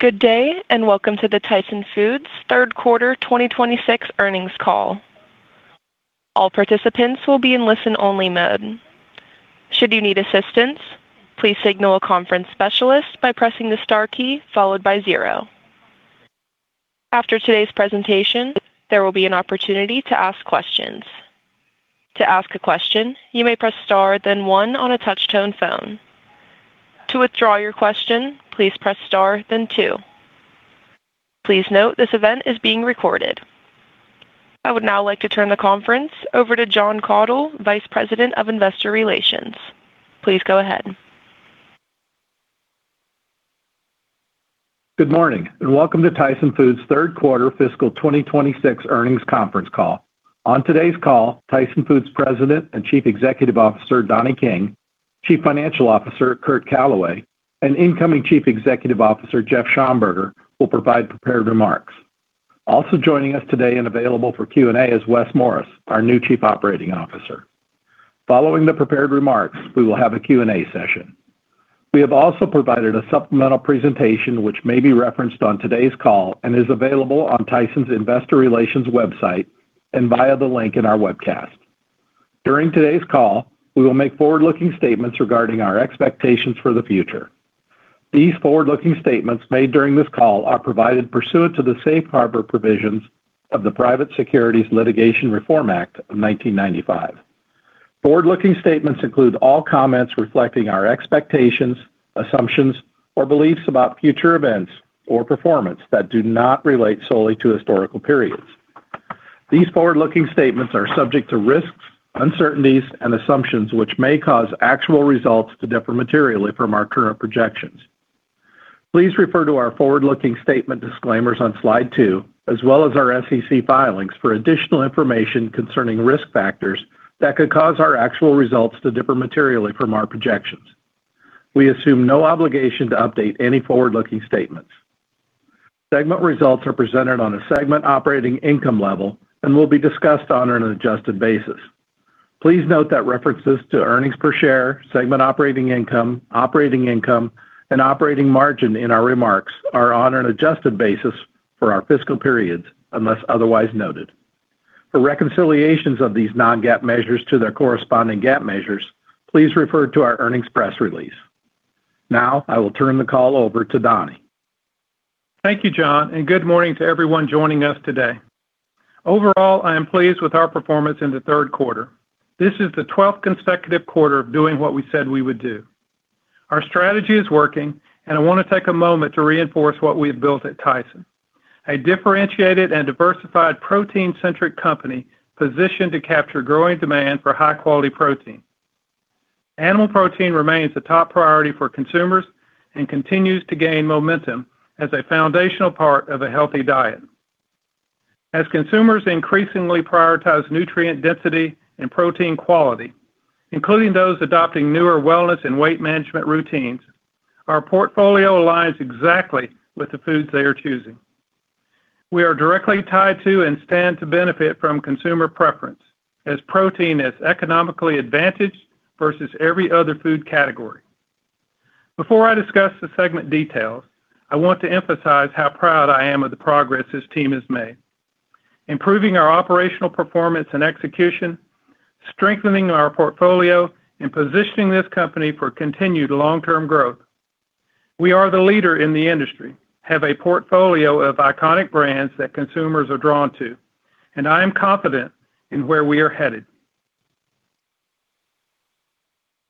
Good day, welcome to the Tyson Foods third quarter 2026 earnings call. All participants will be in listen-only mode. Should you need assistance, please signal a conference specialist by pressing the star key followed by zero. After today's presentation, there will be an opportunity to ask questions. To ask a question, you may press star then one on a touch-tone phone. To withdraw your question, please press star then two. Please note this event is being recorded. I would now like to turn the conference over to Jon Kathol, Vice President of Investor Relations. Please go ahead. Good morning, welcome to Tyson Foods' third quarter fiscal 2026 earnings conference call. On today's call, Tyson Foods President and Chief Executive Officer, Donnie King, Chief Financial Officer, Curt Calaway, and incoming Chief Executive Officer, Jeff Schomburger, will provide prepared remarks. Also joining us today and available for Q&A is Wes Morris, our new Chief Operating Officer. Following the prepared remarks, we will have a Q&A session. We have also provided a supplemental presentation which may be referenced on today's call and is available on Tyson's Investor Relations website and via the link in our webcast. During today's call, we will make forward-looking statements regarding our expectations for the future. These forward-looking statements made during this call are provided pursuant to the safe harbor provisions of the Private Securities Litigation Reform Act of 1995. Forward-looking statements include all comments reflecting our expectations, assumptions, or beliefs about future events or performance that do not relate solely to historical periods. These forward-looking statements are subject to risks, uncertainties, and assumptions, which may cause actual results to differ materially from our current projections. Please refer to our forward-looking statement disclaimers on slide two, as well as our SEC filings for additional information concerning risk factors that could cause our actual results to differ materially from our projections. We assume no obligation to update any forward-looking statements. Segment results are presented on a segment operating income level and will be discussed on an adjusted basis. Please note that references to earnings per share, segment operating income, operating income, and operating margin in our remarks are on an adjusted basis for our fiscal periods, unless otherwise noted. For reconciliations of these non-GAAP measures to their corresponding GAAP measures, please refer to our earnings press release. Now, I will turn the call over to Donnie. Thank you, Jon, and good morning to everyone joining us today. Overall, I am pleased with our performance in the third quarter. This is the 12th consecutive quarter of doing what we said we would do. Our strategy is working, and I want to take a moment to reinforce what we've built at Tyson, a differentiated and diversified protein-centric company positioned to capture growing demand for high-quality protein. Animal protein remains a top priority for consumers and continues to gain momentum as a foundational part of a healthy diet. As consumers increasingly prioritize nutrient density and protein quality, including those adopting newer wellness and weight management routines, our portfolio aligns exactly with the foods they are choosing. We are directly tied to and stand to benefit from consumer preference as protein is economically advantaged versus every other food category. Before I discuss the segment details, I want to emphasize how proud I am of the progress this team has made, improving our operational performance and execution, strengthening our portfolio, and positioning this company for continued long-term growth. We are the leader in the industry, have a portfolio of iconic brands that consumers are drawn to, and I am confident in where we are headed.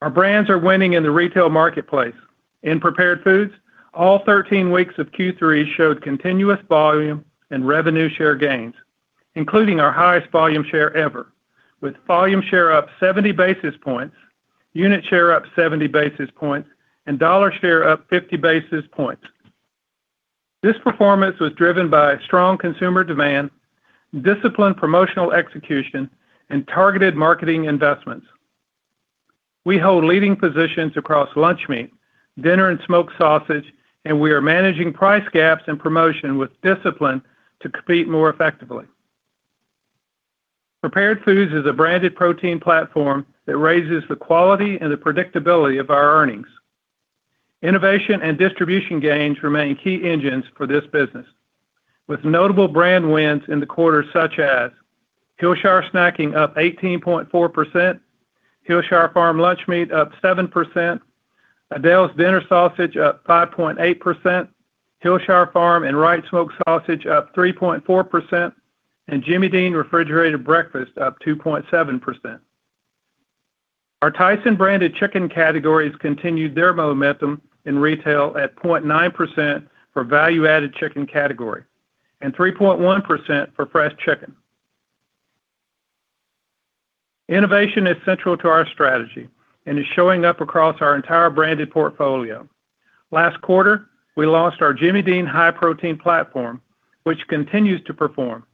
Our brands are winning in the retail marketplace. In prepared foods, all 13 weeks of Q3 showed continuous volume and revenue share gains, including our highest volume share ever, with volume share up 70 basis points, unit share up 70 basis points, and dollar share up 50 basis points. This performance was driven by strong consumer demand, disciplined promotional execution, and targeted marketing investments. We hold leading positions across lunch meat, dinner and smoked sausage, and we are managing price gaps and promotion with discipline to compete more effectively. Prepared foods is a branded protein platform that raises the quality and the predictability of our earnings. Innovation and distribution gains remain key engines for this business, with notable brand wins in the quarter such as Hillshire Snacking up 18.4%, Hillshire Farm lunch meat up 7%, Aidells dinner sausage up 5.8%, Hillshire Farm and Wright smoked sausage up 3.4%, and Jimmy Dean refrigerated breakfast up 2.7%. Our Tyson branded chicken categories continued their momentum in retail at 0.9% for value-added chicken category and 3.1% for fresh chicken. Innovation is central to our strategy and is showing up across our entire branded portfolio. Last quarter, I launched our Jimmy Dean high-protein platform, which continues to perform,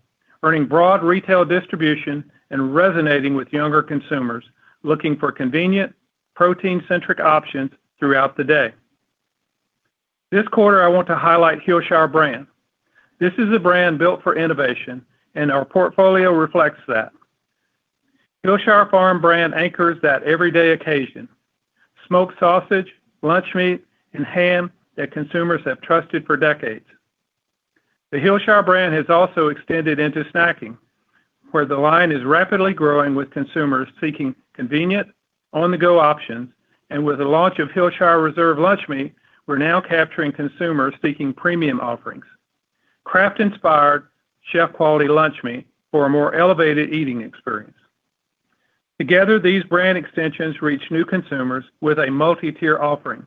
earning broad retail distribution and resonating with younger consumers looking for convenient protein-centric options throughout the day. This quarter, I want to highlight Hillshire brand. This is a brand built for innovation, and our portfolio reflects that. Hillshire Farm brand anchors that everyday occasion. Smoked sausage, lunch meat, and ham that consumers have trusted for decades. The Hillshire brand has also extended into snacking, where the line is rapidly growing with consumers seeking convenient, on-the-go options, and with the launch of Hillshire Reserve lunch meat, we're now capturing consumers seeking premium offerings. Craft-inspired chef quality lunch meat for a more elevated eating experience. Together, these brand extensions reach new consumers with a multi-tier offering.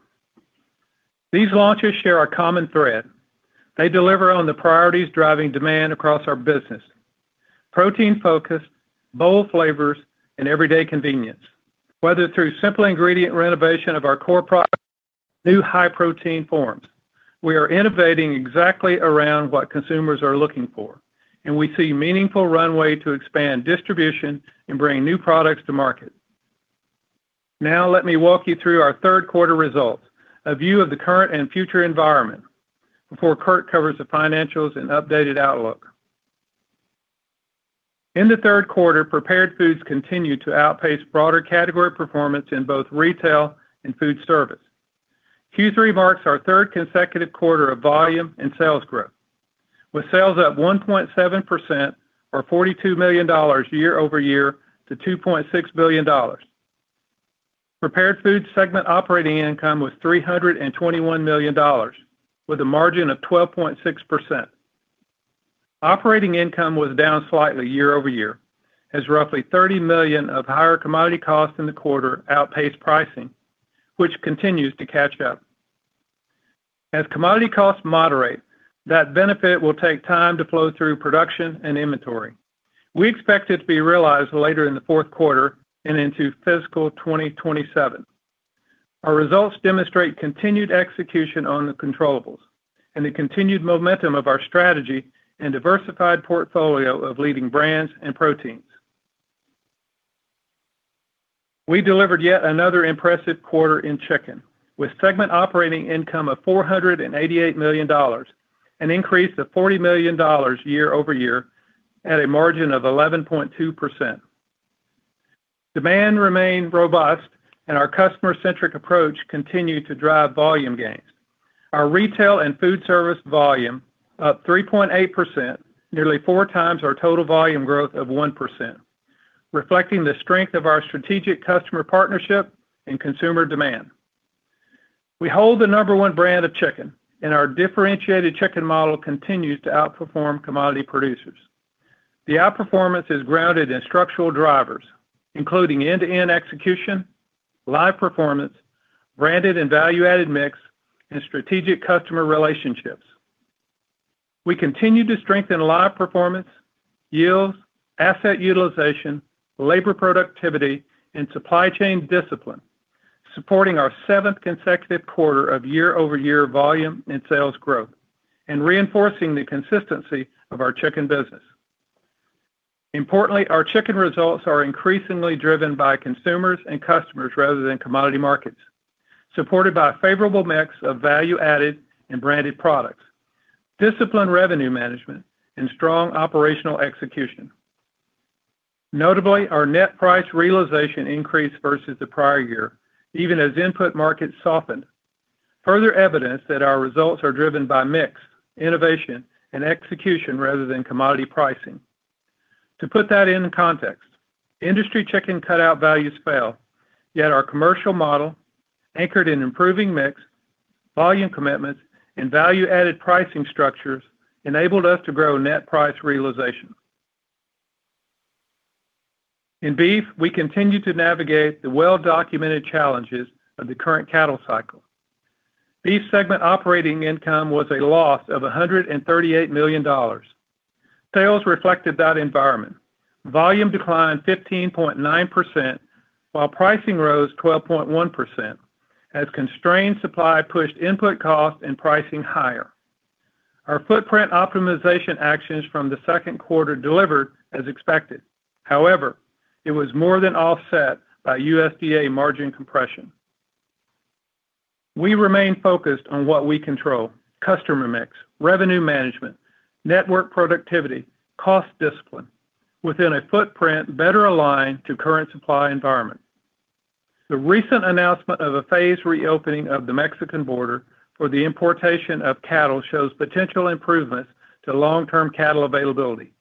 These launches share a common thread. They deliver on the priorities driving demand across our business, protein focused, bold flavors, and everyday convenience. Whether through simple ingredient renovation of our core products, new high protein forms, we are innovating exactly around what consumers are looking for, and we see meaningful runway to expand distribution and bring new products to market. Now let me walk you through our third quarter results, a view of the current and future environment before Curt covers the financials and updated outlook. In the third quarter, Prepared Foods continued to outpace broader category performance in both retail and food service. Q3 marks our third consecutive quarter of volume and sales growth with sales up 1.7% or $42 million year-over-year to $2.6 billion. Prepared Foods segment operating income was $321 million with a margin of 12.6%. Operating income was down slightly year-over-year as roughly $30 million of higher commodity costs in the quarter outpaced pricing, which continues to catch up. As commodity costs moderate, that benefit will take time to flow through production and inventory. We expect it to be realized later in the fourth quarter and into fiscal 2027. Our results demonstrate continued execution on the controllables and the continued momentum of our strategy and diversified portfolio of leading brands and proteins. We delivered yet another impressive quarter in chicken with segment operating income of $488 million, an increase of $40 million year over year at a margin of 11.2%. Demand remained robust and our customer-centric approach continued to drive volume gains. Our retail and food service volume up 3.8%, nearly four times our total volume growth of 1%, reflecting the strength of our strategic customer partnership and consumer demand. We hold the number one brand of chicken, and our differentiated chicken model continues to outperform commodity producers. The outperformance is grounded in structural drivers, including end-to-end execution, live performance, branded and value-added mix, and strategic customer relationships. We continue to strengthen live performance, yields, asset utilization, labor productivity, and supply chain discipline, supporting our seventh consecutive quarter of year over year volume and sales growth and reinforcing the consistency of our chicken business. Importantly, our chicken results are increasingly driven by consumers and customers rather than commodity markets, supported by a favorable mix of value-added and branded products, disciplined revenue management, and strong operational execution. Notably, our net price realization increased versus the prior year, even as input markets softened. Further evidence that our results are driven by mix, innovation, and execution rather than commodity pricing. To put that into context, industry chicken cutout values fell, yet our commercial model anchored in improving mix, volume commitments, and value-added pricing structures enabled us to grow net price realization. In beef, we continue to navigate the well-documented challenges of the current cattle cycle. Beef segment operating income was a loss of $138 million. Sales reflected that environment. Volume declined 15.9% while pricing rose 12.1% as constrained supply pushed input costs and pricing higher. Our footprint optimization actions from the second quarter delivered as expected. However, it was more than offset by U.S.D.A. margin compression. We remain focused on what we control, customer mix, revenue management, network productivity, cost discipline within a footprint better aligned to current supply environment. The recent announcement of a phased reopening of the Mexican border for the importation of cattle shows potential improvements to long-term cattle availability.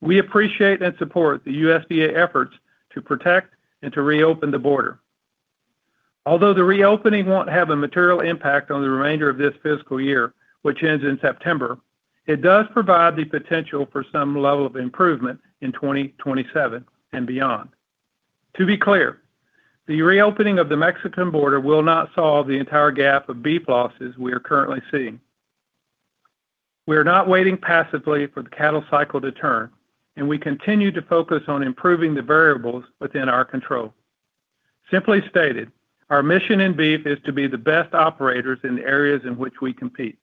We appreciate and support the U.S.D.A. efforts to protect and to reopen the border. Although the reopening won't have a material impact on the remainder of this fiscal year, which ends in September, it does provide the potential for some level of improvement in 2027 and beyond. To be clear, the reopening of the Mexican border will not solve the entire gap of beef losses we are currently seeing. We are not waiting passively for the cattle cycle to turn, and we continue to focus on improving the variables within our control. Simply stated, our mission in beef is to be the best operators in the areas in which we compete.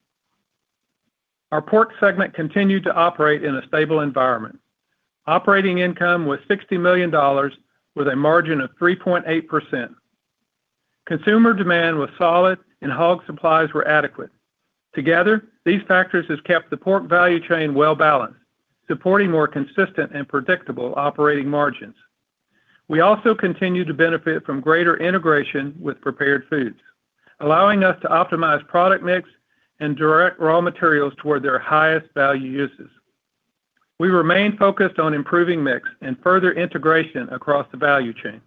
Our pork segment continued to operate in a stable environment. Operating income was $60 million with a margin of 3.8%. Consumer demand was solid and hog supplies were adequate. Together, these factors have kept the pork value chain well-balanced, supporting more consistent and predictable operating margins. We also continue to benefit from greater integration with prepared foods, allowing us to optimize product mix and direct raw materials toward their highest value uses. We remain focused on improving mix and further integration across the value chain.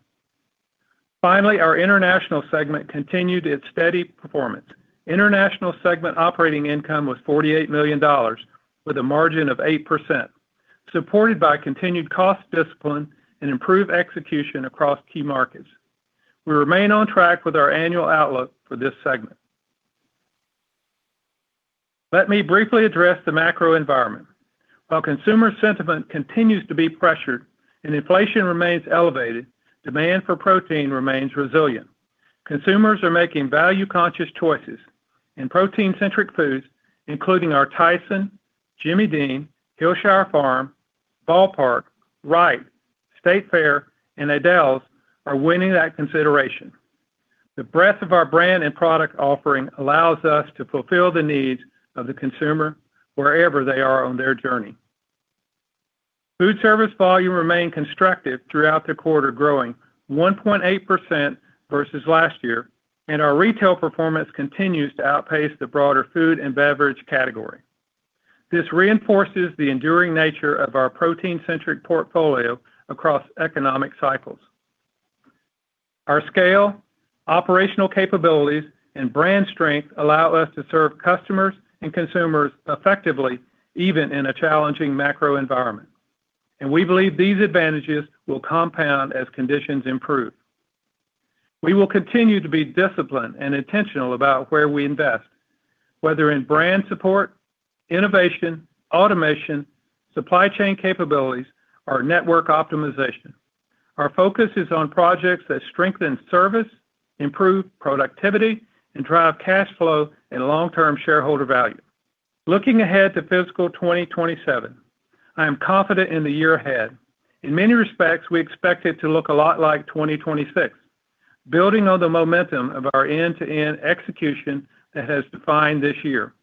Our international segment continued its steady performance. International segment operating income was $48 million, with a margin of 8%, supported by continued cost discipline and improved execution across key markets. We remain on track with our annual outlook for this segment. Let me briefly address the macro environment. While consumer sentiment continues to be pressured and inflation remains elevated, demand for protein remains resilient. Consumers are making value-conscious choices, and protein-centric foods, including our Tyson, Jimmy Dean, Hillshire Farm, Ball Park, Wright, State Fair, and Aidells are winning that consideration. The breadth of our brand and product offering allows us to fulfill the needs of the consumer wherever they are on their journey. Food service volume remained constructive throughout the quarter, growing 1.8% versus last year, and our retail performance continues to outpace the broader food and beverage category. This reinforces the enduring nature of our protein-centric portfolio across economic cycles. Our scale, operational capabilities, and brand strength allow us to serve customers and consumers effectively, even in a challenging macro environment. We believe these advantages will compound as conditions improve. We will continue to be disciplined and intentional about where we invest, whether in brand support, innovation, automation, supply chain capabilities, or network optimization. Our focus is on projects that strengthen service, improve productivity, and drive cash flow and long-term shareholder value. Looking ahead to fiscal 2027, I am confident in the year ahead. In many respects, we expect it to look a lot like 2026, building on the momentum of our end-to-end execution that has defined this year.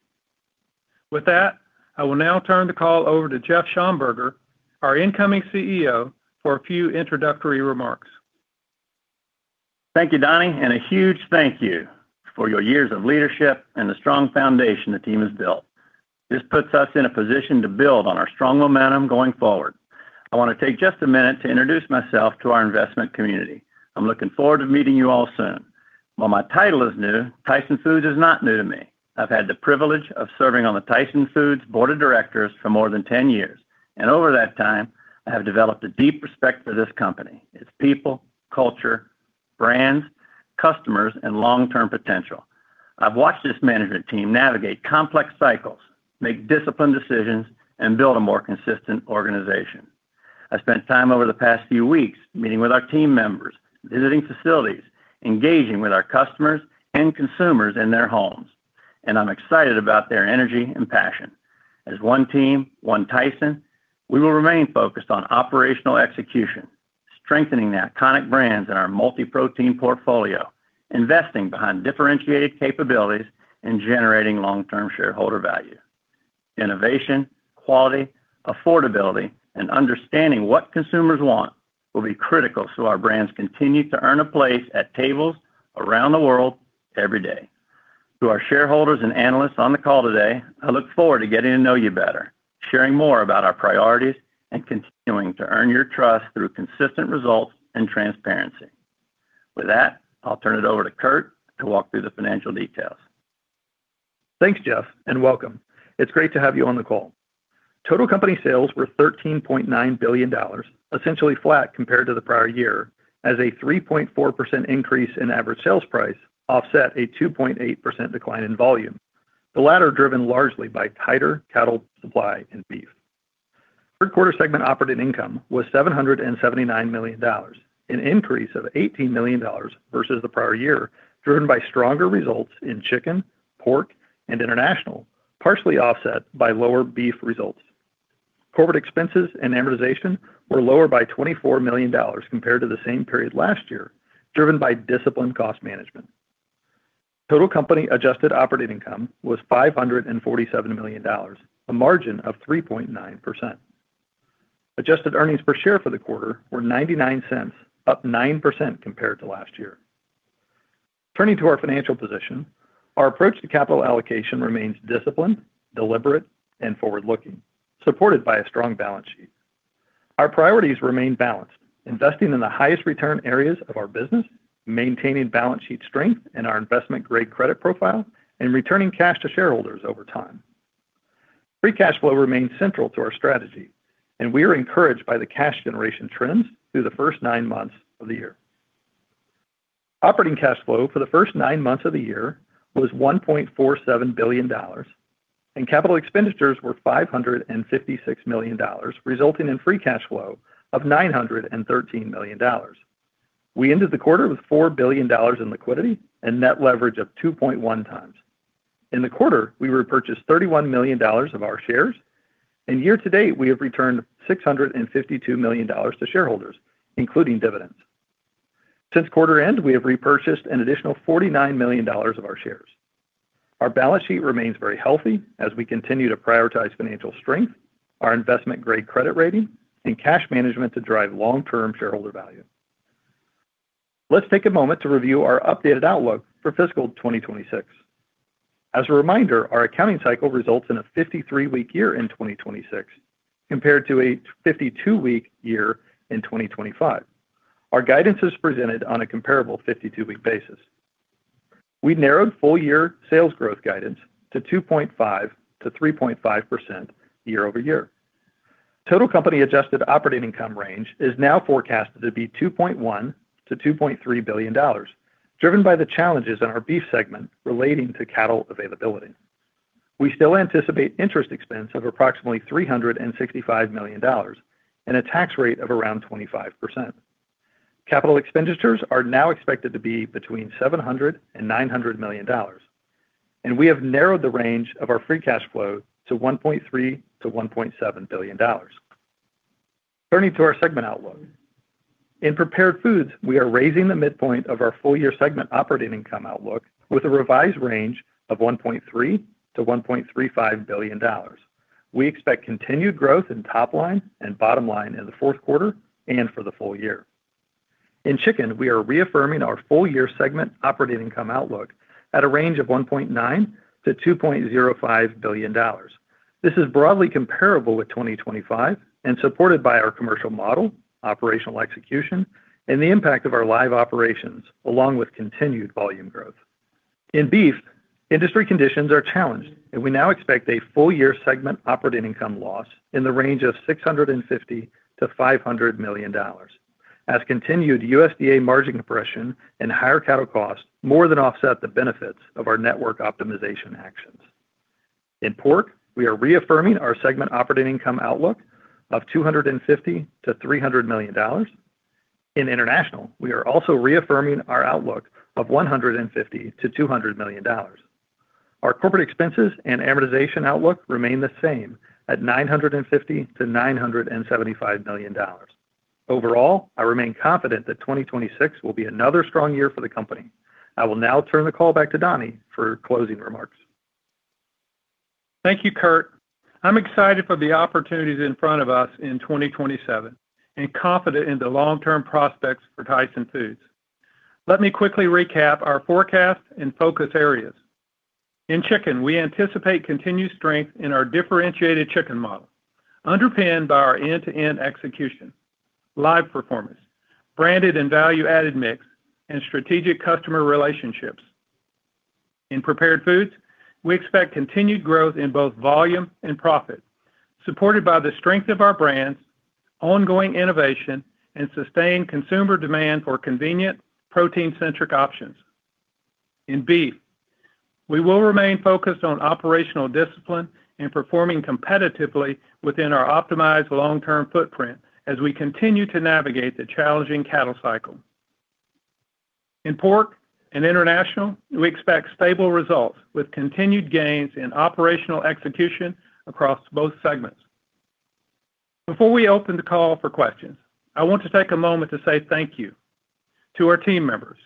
With that, I will now turn the call over to Jeff Schomburger, our incoming CEO, for a few introductory remarks. Thank you, Donnie, and a huge thank you for your years of leadership and the strong foundation the team has built. This puts us in a position to build on our strong momentum going forward. I want to take just a minute to introduce myself to our investment community. I'm looking forward to meeting you all soon. While my title is new, Tyson Foods is not new to me. I've had the privilege of serving on the Tyson Foods Board of Directors for more than 10 years, and over that time, I have developed a deep respect for this company, its people, culture, brands, customers, and long-term potential. I've watched this management team navigate complex cycles, make disciplined decisions, and build a more consistent organization. I spent time over the past few weeks meeting with our team members, visiting facilities, engaging with our customers and consumers in their homes, and I'm excited about their energy and passion. As one team, one Tyson, we will remain focused on operational execution, strengthening the iconic brands in our multi-protein portfolio, investing behind differentiated capabilities, and generating long-term shareholder value. Innovation, quality, affordability, and understanding what consumers want will be critical so our brands continue to earn a place at tables around the world every day. To our shareholders and analysts on the call today, I look forward to getting to know you better, sharing more about our priorities, and continuing to earn your trust through consistent results and transparency. With that, I'll turn it over to Curt to walk through the financial details. Thanks, Jeff, and welcome. It's great to have you on the call. Total company sales were $13.9 billion, essentially flat compared to the prior year, as a 3.4% increase in average sales price offset a 2.8% decline in volume, the latter driven largely by tighter cattle supply and beef. Third quarter segment operating income was $779 million, an increase of $18 million versus the prior year, driven by stronger results in chicken, pork, and international, partially offset by lower beef results. Corporate expenses and amortization were lower by $24 million compared to the same period last year, driven by disciplined cost management. Total company adjusted operating income was $547 million, a margin of 3.9%. Adjusted earnings per share for the quarter were $0.99, up 9% compared to last year. Turning to our financial position, our approach to capital allocation remains disciplined, deliberate, and forward-looking, supported by a strong balance sheet. Our priorities remain balanced, investing in the highest return areas of our business, maintaining balance sheet strength in our investment-grade credit profile, and returning cash to shareholders over time. Free cash flow remains central to our strategy, and we are encouraged by the cash generation trends through the first nine months of the year. Operating cash flow for the first nine months of the year was $1.47 billion and capital expenditures were $556 million, resulting in free cash flow of $913 million. We ended the quarter with $4 billion in liquidity and net leverage of 2.1x. In the quarter, we repurchased $31 million of our shares. Year-to-date, we have returned $652 million to shareholders, including dividends. Since quarter-end, we have repurchased an additional $49 million of our shares. Our balance sheet remains very healthy as we continue to prioritize financial strength, our investment-grade credit rating, and cash management to drive long-term shareholder value. Let's take a moment to review our updated outlook for fiscal 2026. As a reminder, our accounting cycle results in a 53-week year in 2026 compared to a 52-week year in 2025. Our guidance is presented on a comparable 52-week basis. We narrowed full-year sales growth guidance to 2.5%-3.5% year-over-year. Total company adjusted operating income range is now forecasted to be $2.1 billion-$2.3 billion, driven by the challenges in our Beef segment relating to cattle availability. We still anticipate interest expense of approximately $365 million and a tax rate of around 25%. Capital expenditures are now expected to be between $700 million and $900 million. We have narrowed the range of our free cash flow to $1.3 billion-$1.7 billion. Turning to our segment outlook. In Prepared Foods, we are raising the midpoint of our full-year segment operating income outlook with a revised range of $1.3 billion-$1.35 billion. We expect continued growth in top line and bottom line in the fourth quarter and for the full-year. In Chicken, we are reaffirming our full-year segment operating income outlook at a range of $1.9 billion-$2.05 billion. This is broadly comparable with 2025 and supported by our commercial model, operational execution, and the impact of our live operations, along with continued volume growth. In Beef, industry conditions are challenged. We now expect a full-year segment operating income loss in the range of $650 million to $500 million as continued U.S.D.A. margin compression and higher cattle costs more than offset the benefits of our network optimization actions. In Pork, we are reaffirming our segment operating income outlook of $250 million-$300 million. In International, we are also reaffirming our outlook of $150 million-$200 million. Our corporate expenses and amortization outlook remain the same at $950 million-$975 million. Overall, I remain confident that 2026 will be another strong year for the company. I will now turn the call back to Donnie for closing remarks. Thank you, Curt. I'm excited for the opportunities in front of us in 2027 and confident in the long-term prospects for Tyson Foods. Let me quickly recap our forecast and focus areas. In Chicken, we anticipate continued strength in our differentiated chicken model, underpinned by our end-to-end execution, live performance, branded and value-added mix, and strategic customer relationships. In Prepared Foods, we expect continued growth in both volume and profit, supported by the strength of our brands, ongoing innovation, and sustained consumer demand for convenient protein-centric options. In Beef, we will remain focused on operational discipline and performing competitively within our optimized long-term footprint as we continue to navigate the challenging cattle cycle. In Pork and International, we expect stable results with continued gains in operational execution across both segments. Before we open the call for questions, I want to take a moment to say thank you to our team members,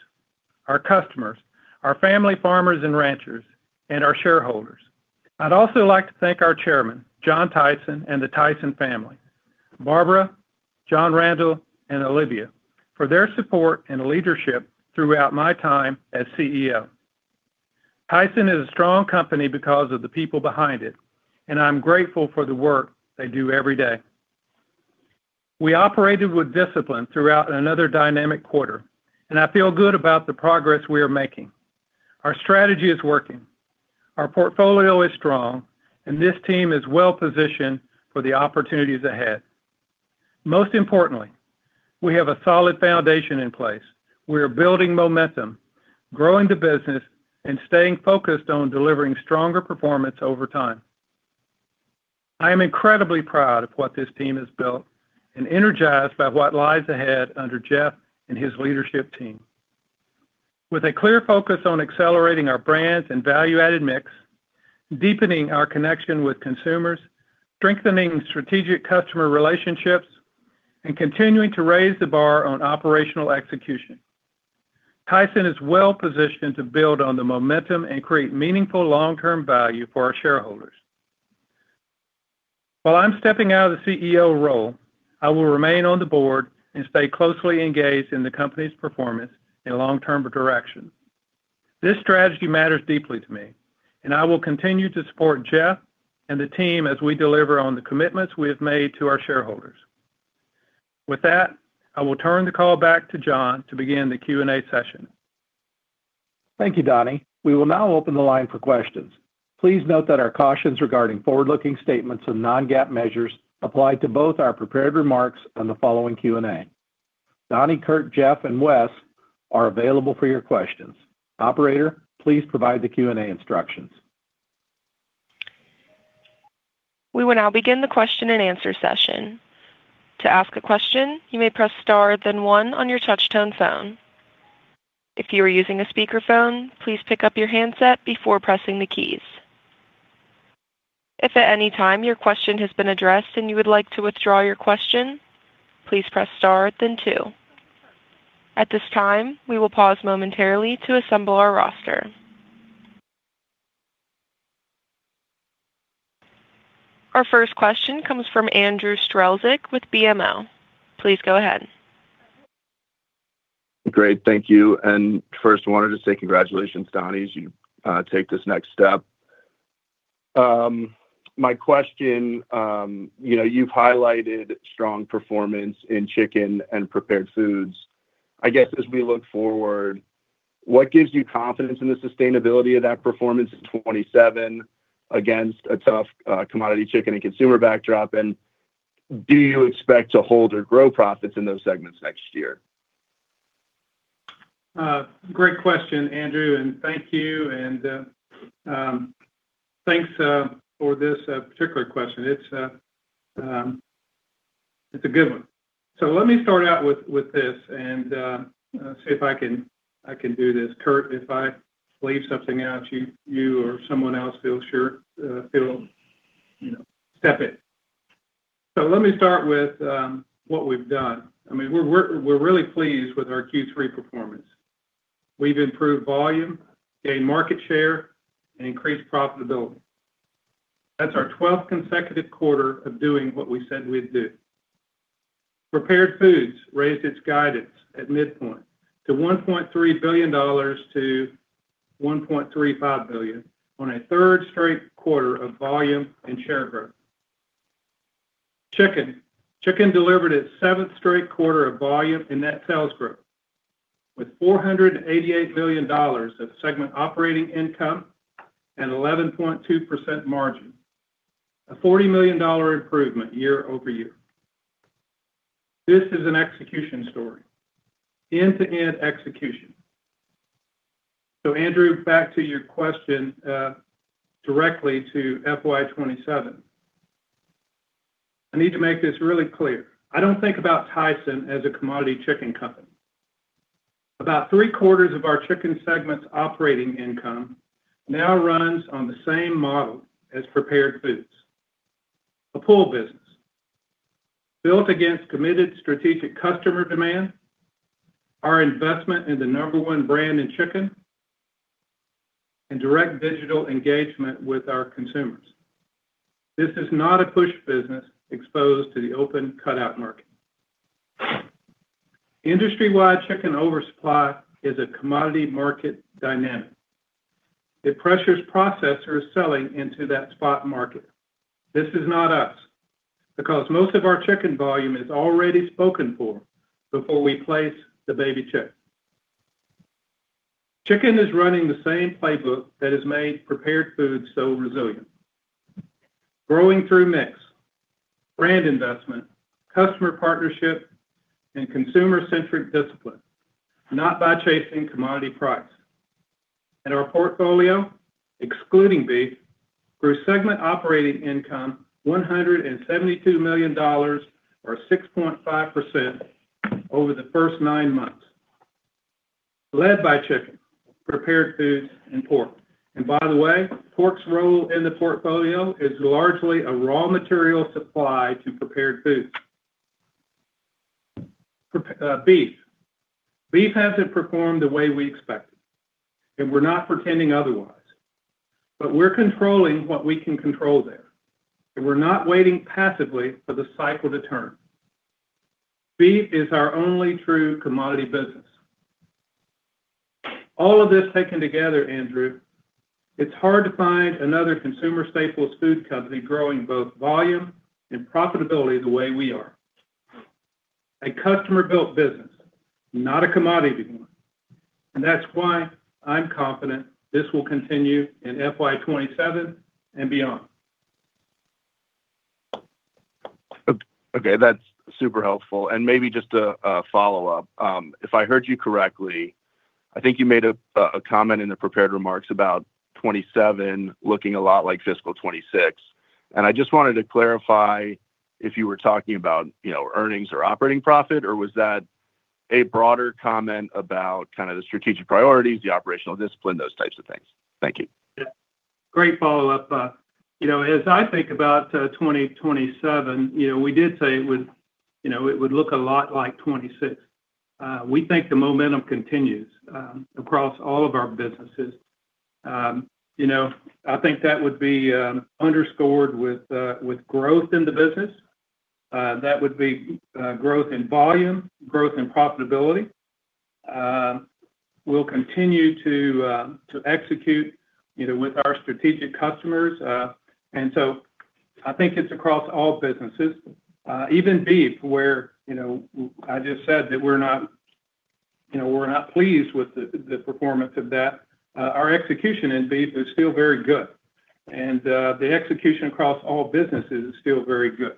our customers, our family farmers and ranchers, and our shareholders. I'd also like to thank our Chairman, John Tyson, and the Tyson family, Barbara, John Randall, and Olivia, for their support and leadership throughout my time as CEO. Tyson is a strong company because of the people behind it, and I'm grateful for the work they do every day. We operated with discipline throughout another dynamic quarter, and I feel good about the progress we are making. Our strategy is working, our portfolio is strong, and this team is well-positioned for the opportunities ahead. Most importantly, we have a solid foundation in place. We are building momentum, growing the business, and staying focused on delivering stronger performance over time. I am incredibly proud of what this team has built and energized by what lies ahead under Jeff and his leadership team. With a clear focus on accelerating our brands and value-added mix, deepening our connection with consumers, strengthening strategic customer relationships, and continuing to raise the bar on operational execution, Tyson is well positioned to build on the momentum and create meaningful long-term value for our shareholders. While I'm stepping out of the CEO role, I will remain on the board and stay closely engaged in the company's performance and long-term direction. This strategy matters deeply to me, and I will continue to support Jeff and the team as we deliver on the commitments we have made to our shareholders. With that, I will turn the call back to Jon to begin the Q&A session. Thank you, Donnie. We will now open the line for questions. Please note that our cautions regarding forward-looking statements and non-GAAP measures apply to both our prepared remarks and the following Q&A. Donnie, Curt, Jeff, and Wes are available for your questions. Operator, please provide the Q&A instructions. We will now begin the question-and-answer session. To ask a question, you may press star, then one on your touchtone phone. If you are using a speakerphone, please pick up your handset before pressing the keys. If at any time your question has been addressed and you would like to withdraw your question, please press star then two. At this time, we will pause momentarily to assemble our roster. Our first question comes from Andrew Strelzik with BMO. Please go ahead. Great. Thank you. First, I wanted to say congratulations, Donnie, as you take this next step. My question, you've highlighted strong performance in chicken and Prepared Foods. I guess, as we look forward, what gives you confidence in the sustainability of that performance in 2027 against a tough commodity chicken and consumer backdrop? Do you expect to hold or grow profits in those segments next year? Great question, Andrew, thank you. Thanks for this particular question. It's a good one. Let me start out with this, and see if I can do this. Curt, if I leave something out, you or someone else feel sure step in. Let me start with what we've done. We're really pleased with our Q3 performance. We've improved volume, gained market share, and increased profitability. That's our 12th consecutive quarter of doing what we said we'd do. Prepared Foods raised its guidance at midpoint to $1.3 billion-$1.35 billion on a third straight quarter of volume and share growth. Chicken. Chicken delivered its seventh straight quarter of volume and net sales growth, with $488 million of segment operating income and 11.2% margin, a $40 million improvement year-over-year. This is an execution story, end-to-end execution. Andrew, back to your question directly to FY 2027. I need to make this really clear. I don't think about Tyson as a commodity chicken company. About three-quarters of our chicken segment's operating income now runs on the same model as Prepared Foods, a pull business, built against committed strategic customer demand, our investment in the number one brand in chicken, and direct digital engagement with our consumers. This is not a push business exposed to the open cutout market. Industry-wide chicken oversupply is a commodity market dynamic. It pressures processors selling into that spot market. This is not us, because most of our chicken volume is already spoken for before we place the baby chick. Chicken is running the same playbook that has made Prepared Foods so resilient. Growing through mix, brand investment, customer partnership, and consumer-centric discipline, not by chasing commodity price. Our portfolio, excluding beef, grew segment operating income $172 million or 6.5% over the first nine months, led by chicken, Prepared Foods, and pork. By the way, pork's role in the portfolio is largely a raw material supply to Prepared Foods. Beef. Beef hasn't performed the way we expected, and we're not pretending otherwise. We're controlling what we can control there, and we're not waiting passively for the cycle to turn. Beef is our only true commodity business. All of this taken together, Andrew, it's hard to find another consumer staples food company growing both volume and profitability the way we are. A customer-built business, not a commodity one. That's why I'm confident this will continue in FY 2027 and beyond. Okay. That's super helpful. Maybe just a follow-up. If I heard you correctly, I think you made a comment in the prepared remarks about 2027 looking a lot like fiscal 2026. I just wanted to clarify if you were talking about earnings or operating profit, or was that a broader comment about kind of the strategic priorities, the operational discipline, those types of things? Thank you. Yeah. Great follow-up. As I think about 2027, we did say it would look a lot like 2026. We think the momentum continues across all of our businesses. I think that would be underscored with growth in the business. That would be growth in volume, growth in profitability. We'll continue to execute with our strategic customers. I think it's across all businesses. Even beef, where I just said that we're not pleased with the performance of that. Our execution in beef is still very good. The execution across all businesses is still very good.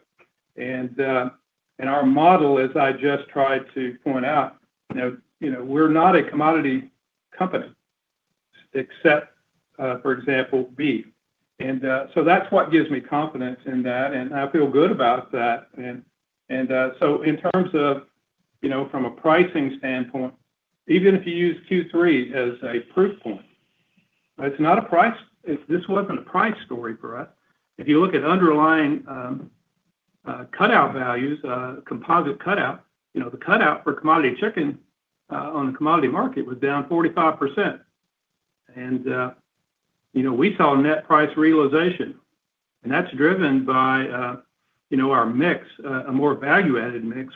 Our model, as I just tried to point out, we're not a commodity company Except, for example, beef. That's what gives me confidence in that, and I feel good about that. In terms of from a pricing standpoint, even if you use Q3 as a proof point, this wasn't a price story for us. If you look at underlying cutout values, composite cutout, the cutout for commodity chicken on the commodity market was down 45%. We saw net price realization, and that's driven by our mix, a more value-added mix,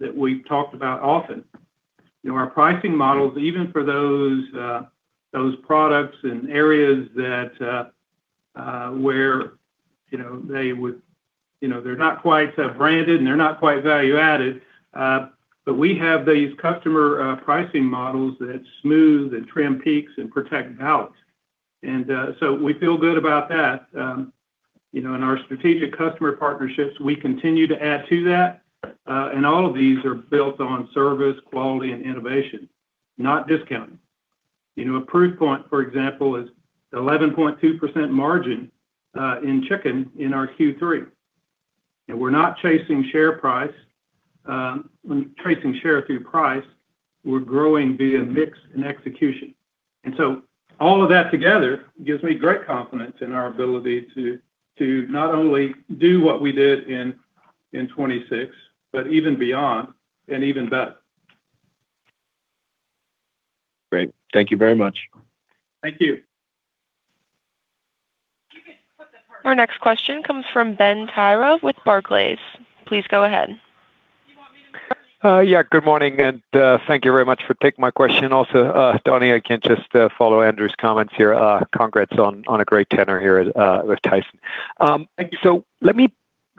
that we've talked about often. Our pricing models, even for those products in areas where they're not quite so branded and they're not quite value-added, but we have these customer pricing models that smooth and trim peaks and protect valleys. We feel good about that. In our strategic customer partnerships, we continue to add to that. All of these are built on service, quality, and innovation, not discounting. A proof point, for example, is 11.2% margin in chicken in our Q3. We're not chasing share through price. We're growing via mix and execution. All of that together gives me great confidence in our ability to not only do what we did in 2026, but even beyond and even better. Great. Thank you very much. Thank you. Our next question comes from Ben Theurer with Barclays. Please go ahead. Yeah. Good morning, thank you very much for taking my question. Donnie, I can just follow Andrew's comments here. Congrats on a great tenure here with Tyson. Thank you. So.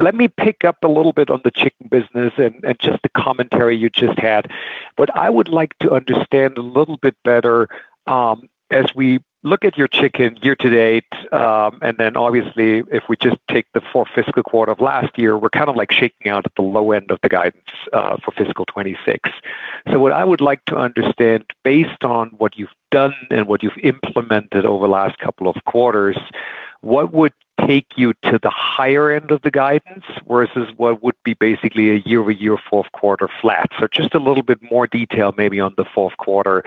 Let me pick up a little bit on the chicken business and just the commentary you just had. What I would like to understand a little bit better, as we look at your chicken year to date, obviously, if we just take the full fiscal quarter of last year, we're kind of shaking out at the low end of the guidance for fiscal 2026. What I would like to understand, based on what you've done and what you've implemented over the last couple of quarters, what would take you to the higher end of the guidance versus what would be basically a year-over-year fourth quarter flat? Just a little bit more detail maybe on the fourth quarter,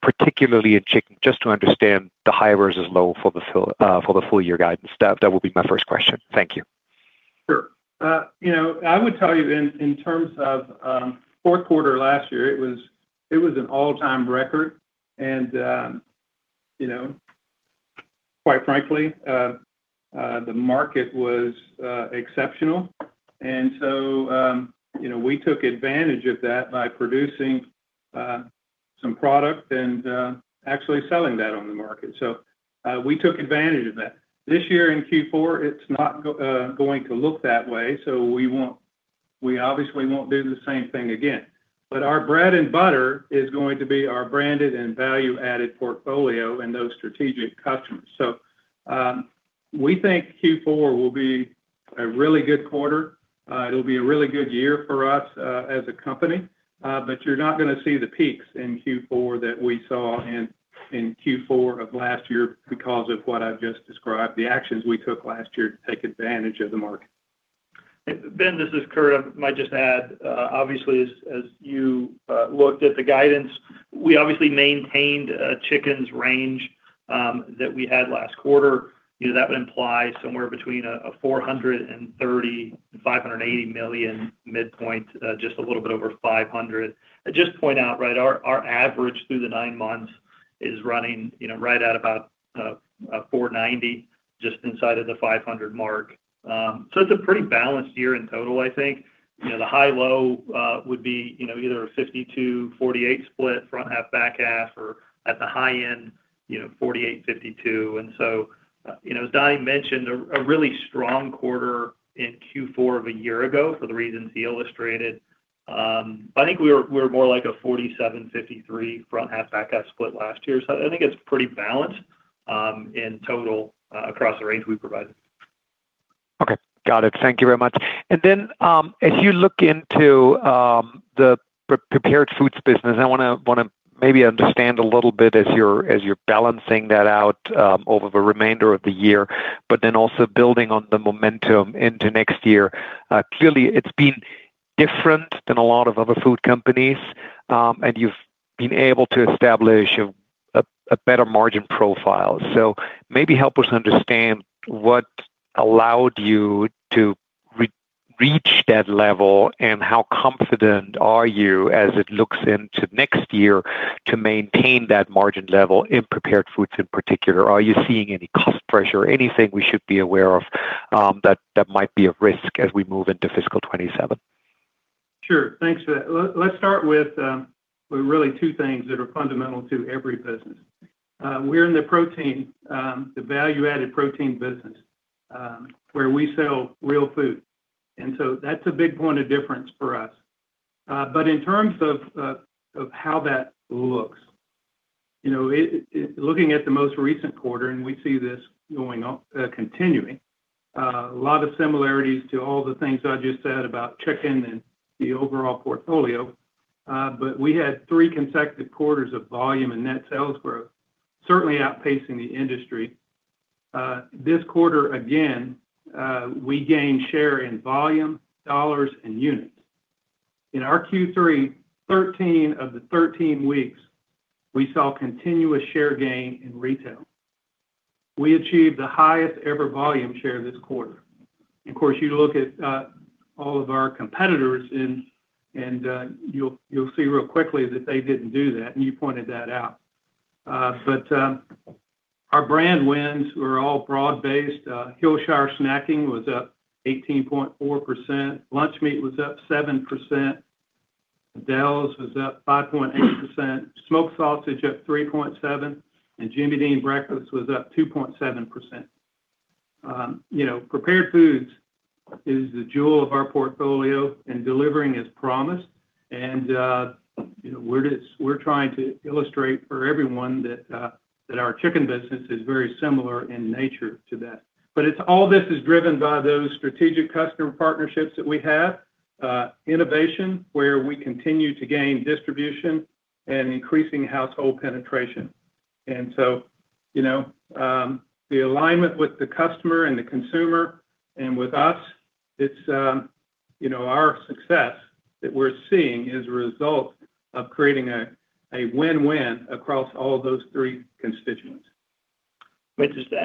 particularly in chicken, just to understand the high versus low for the full year guidance. That would be my first question. Thank you. Sure. I would tell you in terms of fourth quarter last year, it was an all-time record. Quite frankly, the market was exceptional. We took advantage of that by producing some product and actually selling that on the market. We took advantage of that. This year in Q4, it's not going to look that way, so we obviously won't do the same thing again. Our bread and butter is going to be our branded and value-added portfolio and those strategic customers. We think Q4 will be a really good quarter. It'll be a really good year for us as a company. You're not going to see the peaks in Q4 that we saw in Q4 of last year because of what I've just described, the actions we took last year to take advantage of the market. Ben, this is Curt. Might just add, obviously, as you looked at the guidance, we obviously maintained a chickens range that we had last quarter. That would imply somewhere between a $430 million and $580 million midpoint, just a little bit over $500. Just point out, our average through the nine months is running right at about $490, just inside of the $500 mark. It's a pretty balanced year in total, I think. The high low would be either a 52/48 split front half, back half, or at the high end, 48/52. As Donnie mentioned, a really strong quarter in Q4 of a year ago for the reasons he illustrated. I think we were more like a 47/53 front half, back half split last year. I think it's pretty balanced in total across the range we provided. Okay. Got it. Thank you very much. As you look into the prepared foods business, I want to maybe understand a little bit as you're balancing that out over the remainder of the year, also building on the momentum into next year. Clearly, it's been different than a lot of other food companies, and you've been able to establish a better margin profile. Maybe help us understand what allowed you to reach that level, and how confident are you as it looks into next year to maintain that margin level in prepared foods in particular? Are you seeing any cost pressure or anything we should be aware of that might be a risk as we move into fiscal 2027? Sure. Thanks for that. Let's start with really two things that are fundamental to every business. We're in the value-added protein business, where we sell real food, that's a big point of difference for us. In terms of how that looks, looking at the most recent quarter, we see this continuing A lot of similarities to all the things I just said about chicken and the overall portfolio. We had three consecutive quarters of volume and net sales growth, certainly outpacing the industry. This quarter, again, we gained share in volume, dollars, and units. In our Q3, 13 of the 13 weeks we saw continuous share gain in retail. We achieved the highest ever volume share this quarter. Of course, you look at all of our competitors, and you'll see real quickly that they didn't do that. You pointed that out. Our brand wins were all broad based. Hillshire Snacking was up 18.4%. Lunch meat was up 7%. Aidells was up 5.8%, smoked sausage up 3.7%, Jimmy Dean breakfast was up 2.7%. Prepared Foods is the jewel of our portfolio and delivering as promised. We're trying to illustrate for everyone that our chicken business is very similar in nature to that. All this is driven by those strategic customer partnerships that we have, innovation, where we continue to gain distribution and increasing household penetration. The alignment with the customer and the consumer, and with us, our success that we're seeing is a result of creating a win-win across all of those three constituents. Just to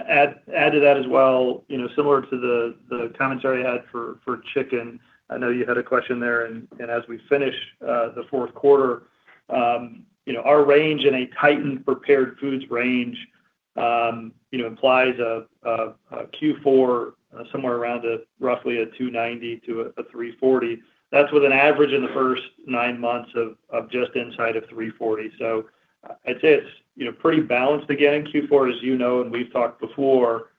add to that as well, similar to the commentary you had for chicken, I know you had a question there. As we finish the fourth quarter, our range in a tightened Prepared Foods range implies a Q4 somewhere around roughly a $290-$340. That's with an average in the first nine months of just inside of $340. I'd say it's pretty balanced again. Q4, as you know and we've talked before,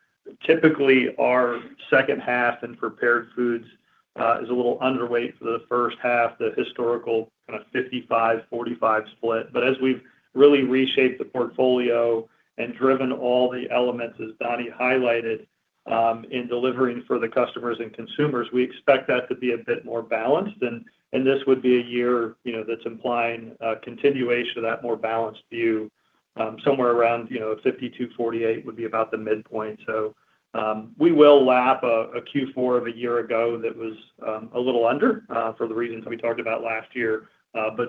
typically our second half in Prepared Foods is a little underweight for the first half, the historical kind of 55/45 split. As we've really reshaped the portfolio and driven all the elements, as Donnie highlighted, in delivering for the customers and consumers, we expect that to be a bit more balanced, and this would be a year that's implying a continuation of that more balanced view. Somewhere around 52/48 would be about the midpoint. We will lap a Q4 of a year ago that was a little under, for the reasons we talked about last year.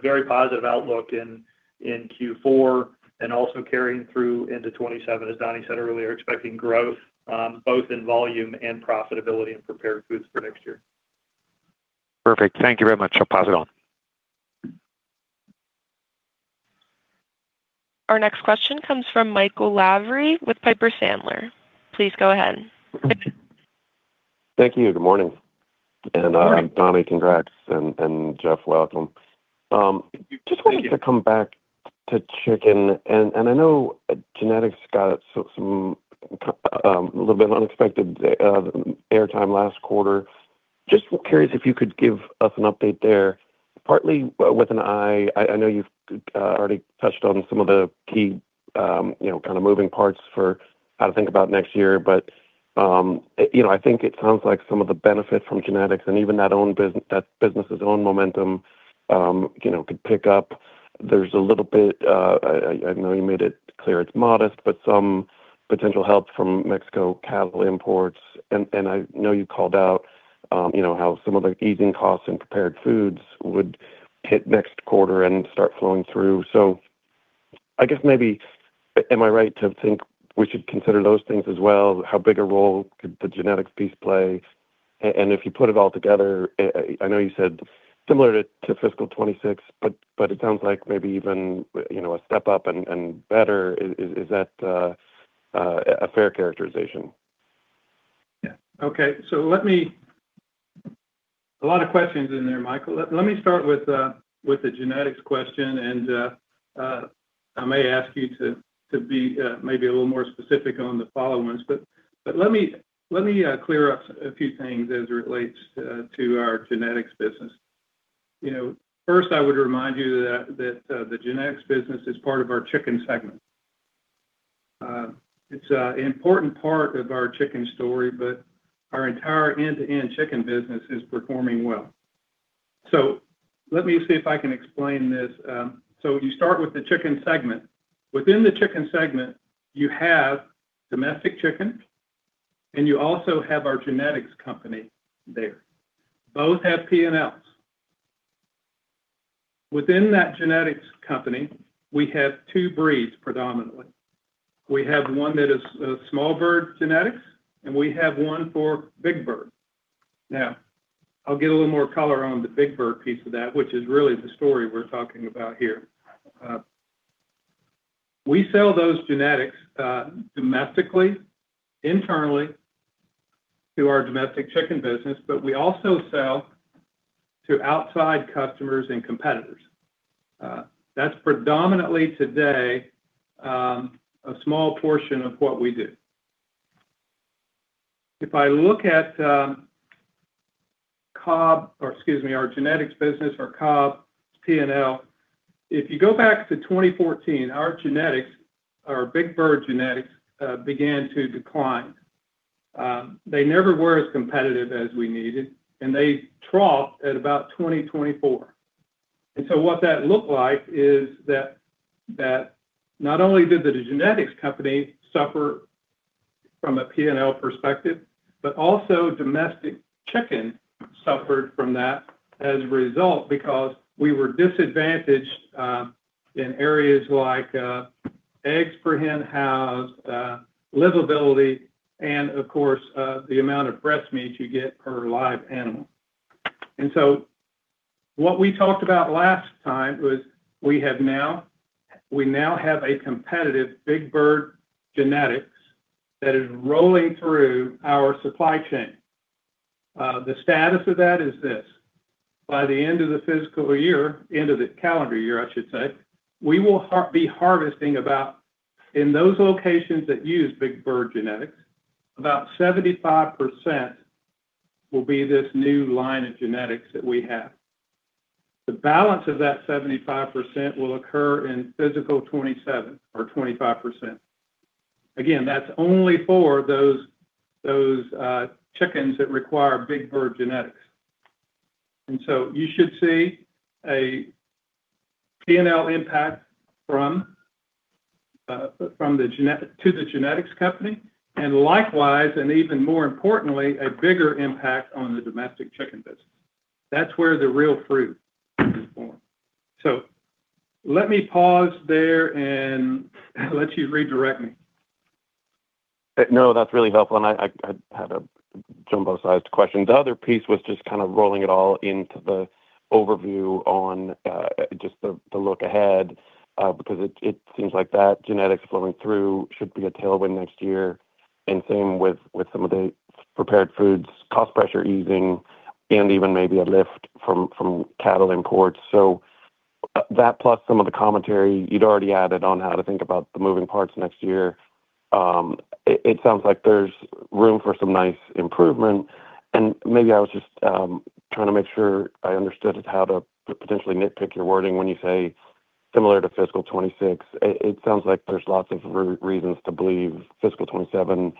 Very positive outlook in Q4 and also carrying through into 2027, as Donnie said earlier, expecting growth both in volume and profitability in Prepared Foods for next year. Perfect. Thank you very much. I'll pass it on. Our next question comes from Michael Lavery with Piper Sandler. Please go ahead. Thank you. Good morning. Good morning. Donnie, congrats, Jeff, welcome. Thank you. Just wanted to come back to chicken. I know genetics got a little bit of unexpected air time last quarter. Just curious if you could give us an update there, partly with an eye—I know you've already touched on some of the key kind of moving parts for how to think about next year, but I think it sounds like some of the benefit from genetics and even that business' own momentum could pick up. There's a little bit, I know you made it clear it's modest, but some potential help from Mexico cattle imports. I know you called out how some of the easing costs in prepared foods would hit next quarter and start flowing through. I guess maybe, am I right to think we should consider those things as well? How big a role could the genetics piece play? If you put it all together, I know you said similar to fiscal 2026, but it sounds like maybe even a step up and better. Is that a fair characterization? Yeah. Okay. A lot of questions in there, Michael. Let me start with the genetics question. I may ask you to be maybe a little more specific on the follow ones. Let me clear up a few things as it relates to our genetics business. First, I would remind you that the genetics business is part of our chicken segment. It's an important part of our chicken story, but our entire end-to-end chicken business is performing well. Let me see if I can explain this. You start with the chicken segment. Within the chicken segment, you have domestic chicken, and you also have our genetics company there. Both have P&Ls. Within that genetics company, we have two breeds, predominantly. We have one that is a small bird genetics, and we have one for big bird. Now, I will give a little more color on the big bird piece of that, which is really the story we are talking about here. We sell those genetics domestically, internally to our domestic chicken business, but we also sell to outside customers and competitors. That is predominantly today, a small portion of what we do. If I look at Cobb, or excuse me, our genetics business, our Cobb P&L. If you go back to 2014, our big bird genetics began to decline. They never were as competitive as we needed, and they troughed at about 2024. What that looked like is that not only did the genetics company suffer from a P&L perspective, but also domestic chicken suffered from that as a result because we were disadvantaged in areas like eggs per hen house, livability, and of course, the amount of breast meat you get per live animal. What we talked about last time was we now have a competitive big bird genetics that is rolling through our supply chain. The status of that is this. By the end of the fiscal year, end of the calendar year, I should say, we will be harvesting about, in those locations that use big bird genetics, about 75% will be this new line of genetics that we have. The balance of that 75% will occur in fiscal 2027 or 25%. Again, that is only for those chickens that require big bird genetics. You should see a P&L impact to the genetics company, and likewise, and even more importantly, a bigger impact on the domestic chicken business. That is where the real fruit is born. So let me pause there and let you redirect me. No, that is really helpful, and I had a jumbo-sized question. The other piece was just kind of rolling it all into the overview on just the look ahead, because it seems like that genetics flowing through should be a tailwind next year, and same with some of the prepared foods, cost pressure easing, and even maybe a lift from cattle imports. So that plus some of the commentary you had already added on how to think about the moving parts next year, it sounds like there is room for some nice improvement, and maybe I was just trying to make sure I understood how to potentially nitpick your wording when you say similar to fiscal 2026. It sounds like there is lots of reasons to believe fiscal 2027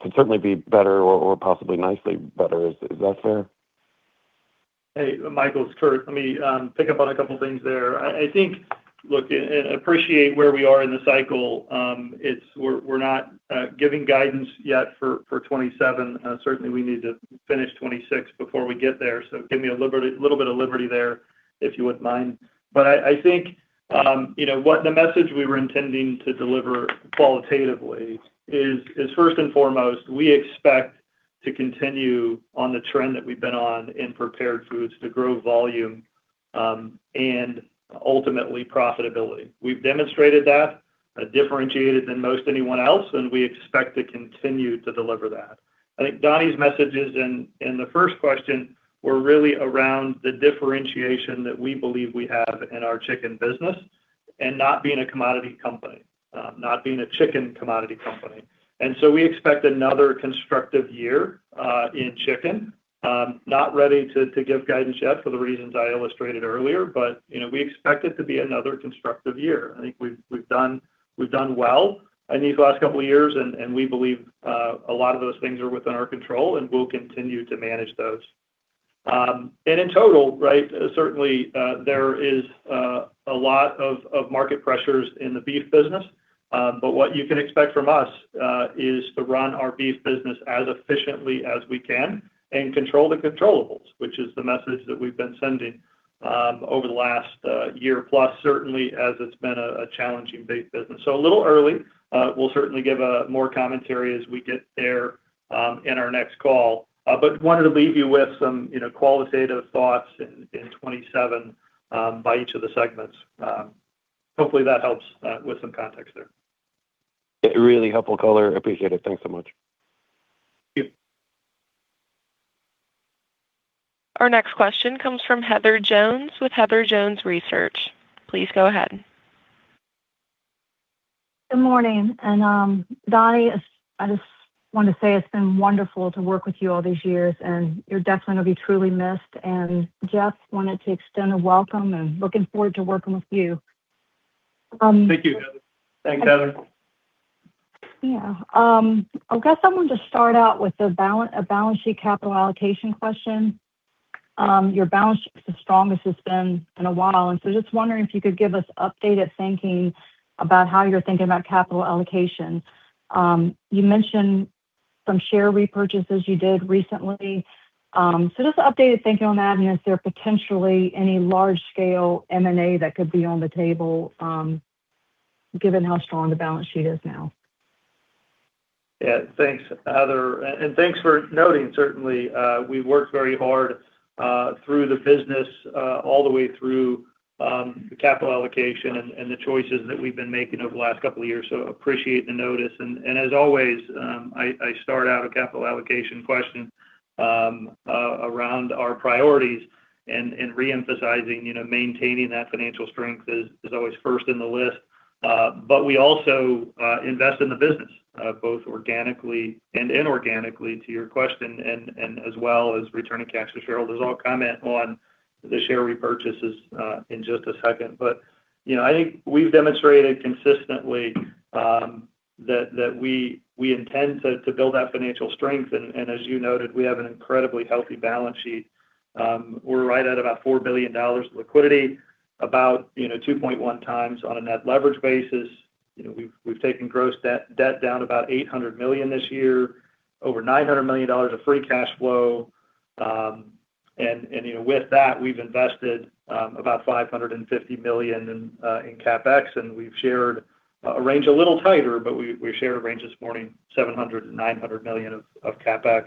could certainly be better or possibly nicely better. Is that fair? Michael, it is Curt. Let me pick up on a couple of things there. I think, look, appreciate where we are in the cycle. We are not giving guidance yet for 2027. Certainly, we need to finish 2026 before we get there, so give me a little bit of liberty there, if you would not mind. I think the message we were intending to deliver qualitatively is first and foremost, we expect to continue on the trend that we have been on in prepared foods to grow volume and ultimately profitability. We have demonstrated that, differentiated than most anyone else, and we expect to continue to deliver that. I think Donnie's messages in the first question were really around the differentiation that we believe we have in our chicken business and not being a commodity company, not being a chicken commodity company. We expect another constructive year in chicken. Not ready to give guidance yet for the reasons I illustrated earlier, but we expect it to be another constructive year. I think we've done well in these last couple of years, and we believe a lot of those things are within our control, and we'll continue to manage those. In total, certainly, there is a lot of market pressures in the beef business. What you can expect from us is to run our beef business as efficiently as we can and control the controllables, which is the message that we've been sending over the last year plus, certainly, as it's been a challenging beef business. A little early. We'll certainly give more commentary as we get there in our next call. Wanted to leave you with some qualitative thoughts in 2027 by each of the segments. Hopefully, that helps with some context there. Really helpful color. Appreciate it. Thanks so much. Thank you. Our next question comes from Heather Jones with Heather Jones Research. Please go ahead. Good morning. Donnie, I just want to say it's been wonderful to work with you all these years, and you're definitely going to be truly missed. Jeff, wanted to extend a welcome and looking forward to working with you. Thank you, Heather. Thanks, Heather. Yeah. I've got someone to start out with a balance sheet capital allocation question. Your balance sheet is the strongest it's been in a while, and so just wondering if you could give us updated thinking about how you're thinking about capital allocation. You mentioned some share repurchases you did recently. Just updated thinking on that, and is there potentially any large-scale M&A that could be on the table, given how strong the balance sheet is now? Yeah. Thanks, Heather. Thanks for noting, certainly. We worked very hard through the business all the way through the capital allocation and the choices that we've been making over the last couple of years, so appreciate the notice. As always, I start out a capital allocation question around our priorities and reemphasizing maintaining that financial strength is always first in the list We also invest in the business, both organically and inorganically, to your question, and as well as returning cash to shareholders. I'll comment on the share repurchases in just a second. I think we've demonstrated consistently that we intend to build that financial strength, and as you noted, we have an incredibly healthy balance sheet. We're right at about $4 billion of liquidity, about 2.1x on a net leverage basis. We've taken gross debt down about $800 million this year, over $900 million of free cash flow. With that, we've invested about $550 million in CapEx, and we've shared a range a little tighter, but we shared a range this morning, $700 million-$900 million of CapEx.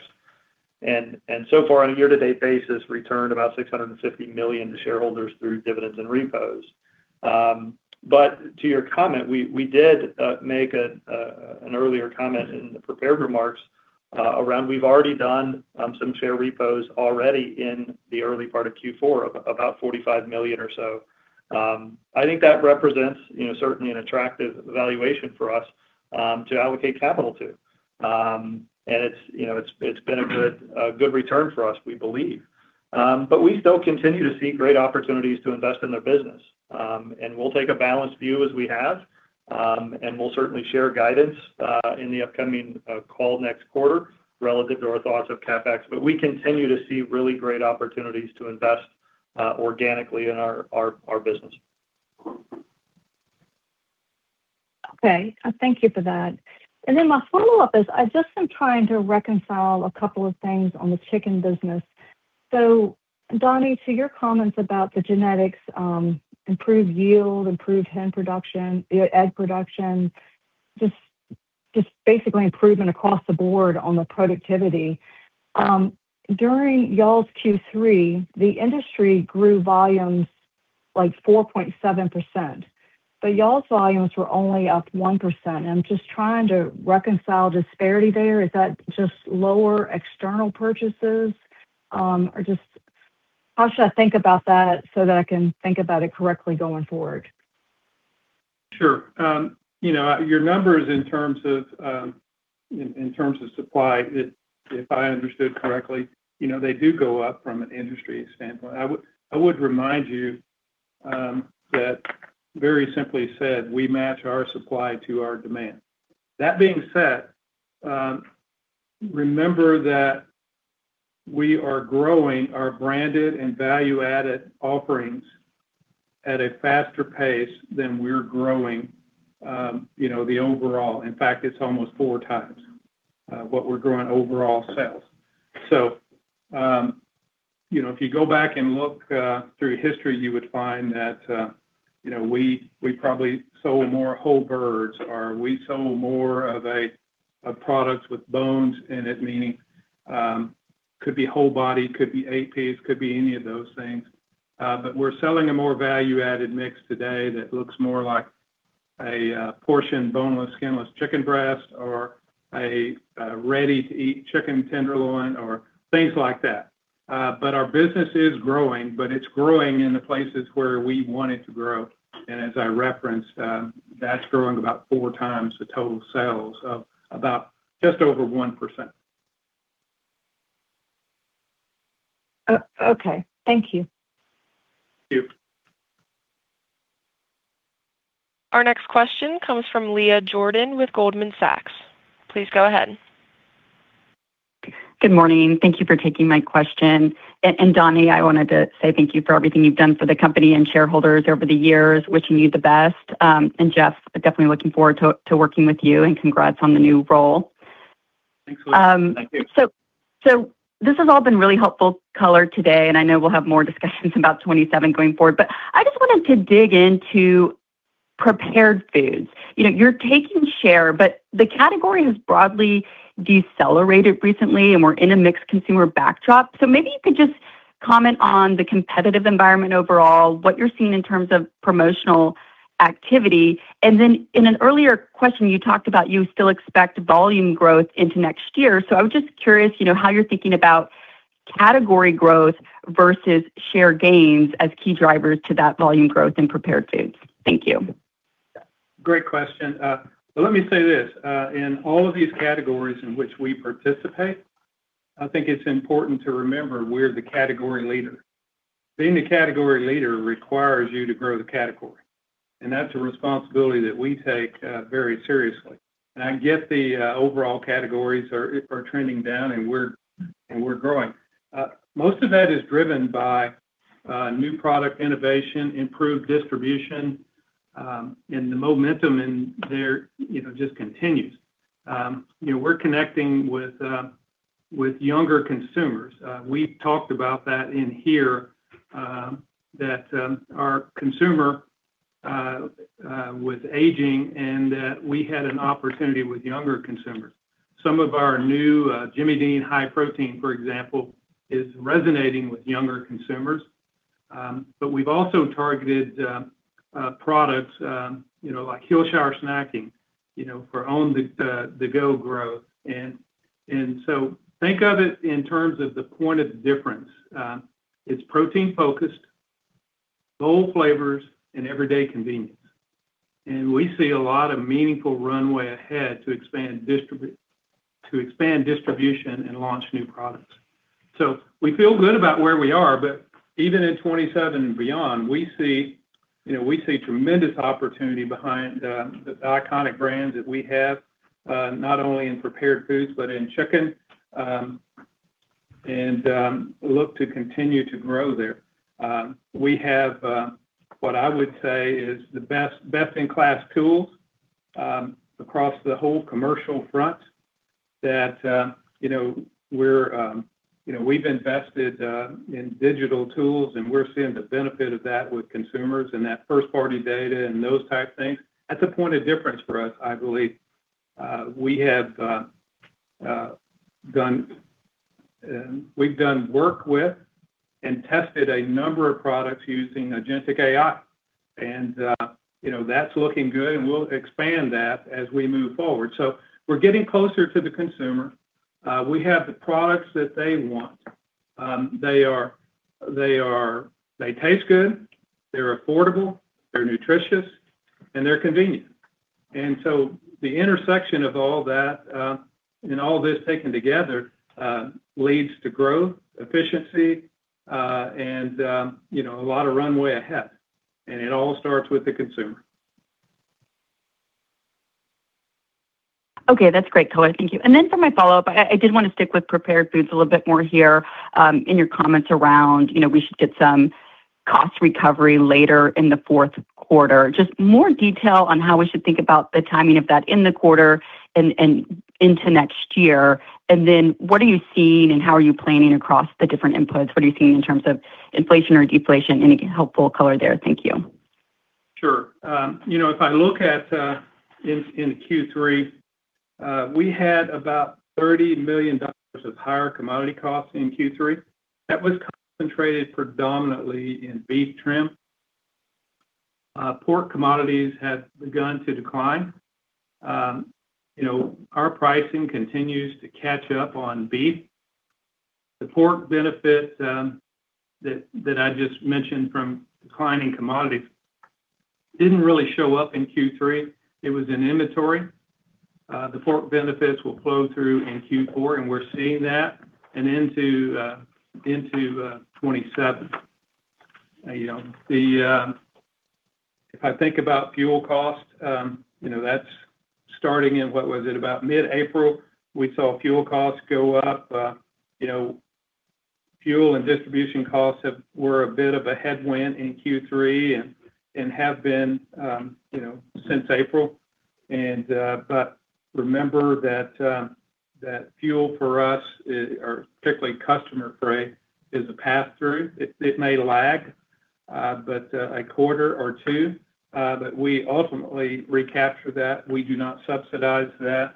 So far, on a year-to-date basis, returned about $650 million to shareholders through dividends and repos. To your comment, we did make an earlier comment in the prepared remarks around, we've already done some share repos already in the early part of Q4, of about $45 million or so. I think that represents certainly an attractive valuation for us to allocate capital to. It's been a good return for us, we believe. We still continue to see great opportunities to invest in the business. We'll take a balanced view as we have. We'll certainly share guidance in the upcoming call next quarter relative to our thoughts of CapEx. We continue to see really great opportunities to invest organically in our business. Okay. Thank you for that. My follow-up is, I've just been trying to reconcile a couple of things on the chicken business. Donnie, to your comments about the genetics, improved yield, improved hen production, egg production, just basically improvement across the board on the productivity. During y'all's Q3, the industry grew volumes 4.7%, but y'all's volumes were only up 1%. I'm just trying to reconcile disparity there. Is that just lower external purchases? Just how should I think about that so that I can think about it correctly going forward? Sure. Your numbers in terms of supply, if I understood correctly, they do go up from an industry standpoint. I would remind you that very simply said, we match our supply to our demand. That being said, remember that we are growing our branded and value-added offerings at a faster pace than we're growing the overall. In fact, it's almost four times what we're growing overall sales. If you go back and look through history, you would find that we probably sold more whole birds, or we sold more of a product with bones in it, meaning could be whole body, could be eight piece, could be any of those things. We're selling a more value-added mix today that looks more like a portion boneless, skinless chicken breast or a ready-to-eat chicken tenderloin or things like that. Our business is growing, but it's growing in the places where we want it to grow. As I referenced, that's growing about 4x the total sales of about just over 1%. Okay. Thank you. Thank you. Our next question comes from Leah Jordan with Goldman Sachs. Please go ahead. Good morning. Thank you for taking my question. Donnie, I wanted to say thank you for everything you've done for the company and shareholders over the years. Wishing you the best. Jeff, definitely looking forward to working with you, and congrats on the new role. Thanks, Leah. Thank you. This has all been really helpful color today, and I know we'll have more discussions about 2027 going forward. I just wanted to dig into Prepared Foods. You're taking share, but the category has broadly decelerated recently, and we're in a mixed consumer backdrop. Maybe you could just comment on the competitive environment overall, what you're seeing in terms of promotional activity. Then in an earlier question, you talked about you still expect volume growth into next year. I was just curious, how you're thinking about category growth versus share gains as key drivers to that volume growth in Prepared Foods. Thank you. Great question. Let me say this. In all of these categories in which we participate, I think it's important to remember we're the category leader. Being the category leader requires you to grow the category, that's a responsibility that we take very seriously. I get the overall categories are trending down and we're growing. Most of that is driven by new product innovation, improved distribution, and the momentum in there just continues. We're connecting with younger consumers. We've talked about that in here, that our consumer was aging, and that we had an opportunity with younger consumers. Some of our new Jimmy Dean high-protein, for example, is resonating with younger consumers. We've also targeted products like Hillshire Snacking for on-the-go growth and Think of it in terms of the point of difference. It's protein focused, bold flavors, and everyday convenience. We see a lot of meaningful runway ahead to expand distribution and launch new products. We feel good about where we are, but even in 2027 and beyond, we see tremendous opportunity behind the iconic brands that we have, not only in prepared foods, but in chicken, and look to continue to grow there. We have, what I would say is the best in class tools across the whole commercial front that we've invested in digital tools, and we're seeing the benefit of that with consumers and that first-party data and those type of things. That's a point of difference for us, I believe. We've done work with and tested a number of products using agentic AI, and that's looking good, and we'll expand that as we move forward. We're getting closer to the consumer. We have the products that they want. They taste good, they're affordable, they're nutritious, and they're convenient. The intersection of all that, and all this taken together, leads to growth, efficiency, and a lot of runway ahead. It all starts with the consumer. Okay, that's great color. Thank you. For my follow-up, I did want to stick with prepared foods a little bit more here. In your comments around we should get some cost recovery later in the fourth quarter. Just more detail on how we should think about the timing of that in the quarter and into next year, what are you seeing and how are you planning across the different inputs? What are you seeing in terms of inflation or deflation? Any helpful color there? Thank you. Sure. If I look at in Q3, we had about $30 million of higher commodity costs in Q3. That was concentrated predominantly in beef trim. Pork commodities have begun to decline. Our pricing continues to catch up on beef. The pork benefit that I just mentioned from declining commodities didn't really show up in Q3. It was in inventory. The pork benefits will flow through in Q4, and we're seeing that and into 2027. If I think about fuel cost, that's starting in, what was it? About mid-April, we saw fuel costs go up. Fuel and distribution costs were a bit of a headwind in Q3 and have been since April. Remember that fuel for us, or particularly customer freight, is a pass-through. It may lag by a quarter or two, but we ultimately recapture that. We do not subsidize that.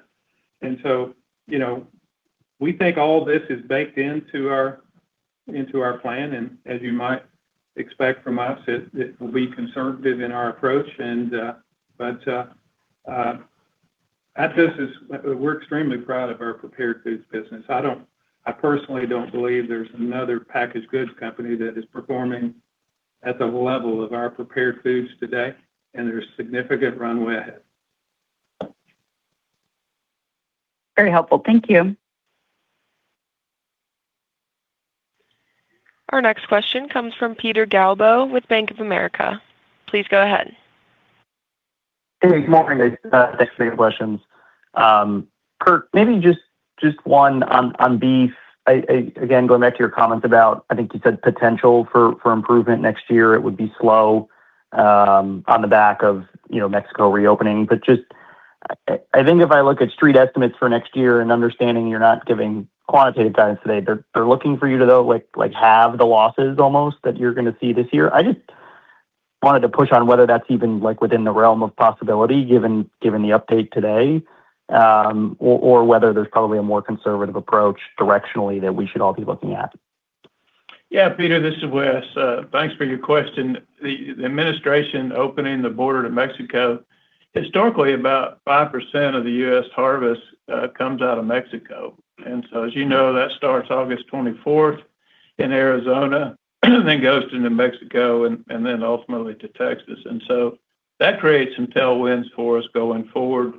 We think all this is baked into our plan, and as you might expect from us, it will be conservative in our approach. At this, we're extremely proud of our prepared foods business. I personally don't believe there's another packaged goods company that is performing at the level of our prepared foods today, and there's significant runway ahead. Very helpful. Thank you. Our next question comes from Peter Galbo with Bank of America. Please go ahead. Hey, good morning, guys. Thanks for your questions. Curt, maybe just one on beef. Again, going back to your comments about, I think you said potential for improvement next year, it would be slow on the back of Mexico reopening. Just, I think if I look at Street estimates for next year and understanding you're not giving quantitative guidance today, they're looking for you to though have the losses almost that you're going to see this year. I just wanted to push on whether that's even within the realm of possibility given the update today, or whether there's probably a more conservative approach directionally that we should all be looking at. Yeah. Peter, this is Wes. Thanks for your question. The administration opening the border to Mexico, historically, about 5% of the U.S. harvest comes out of Mexico. As you know, that starts August 24th in Arizona and then goes to New Mexico and then ultimately to Texas. That creates some tailwinds for us going forward.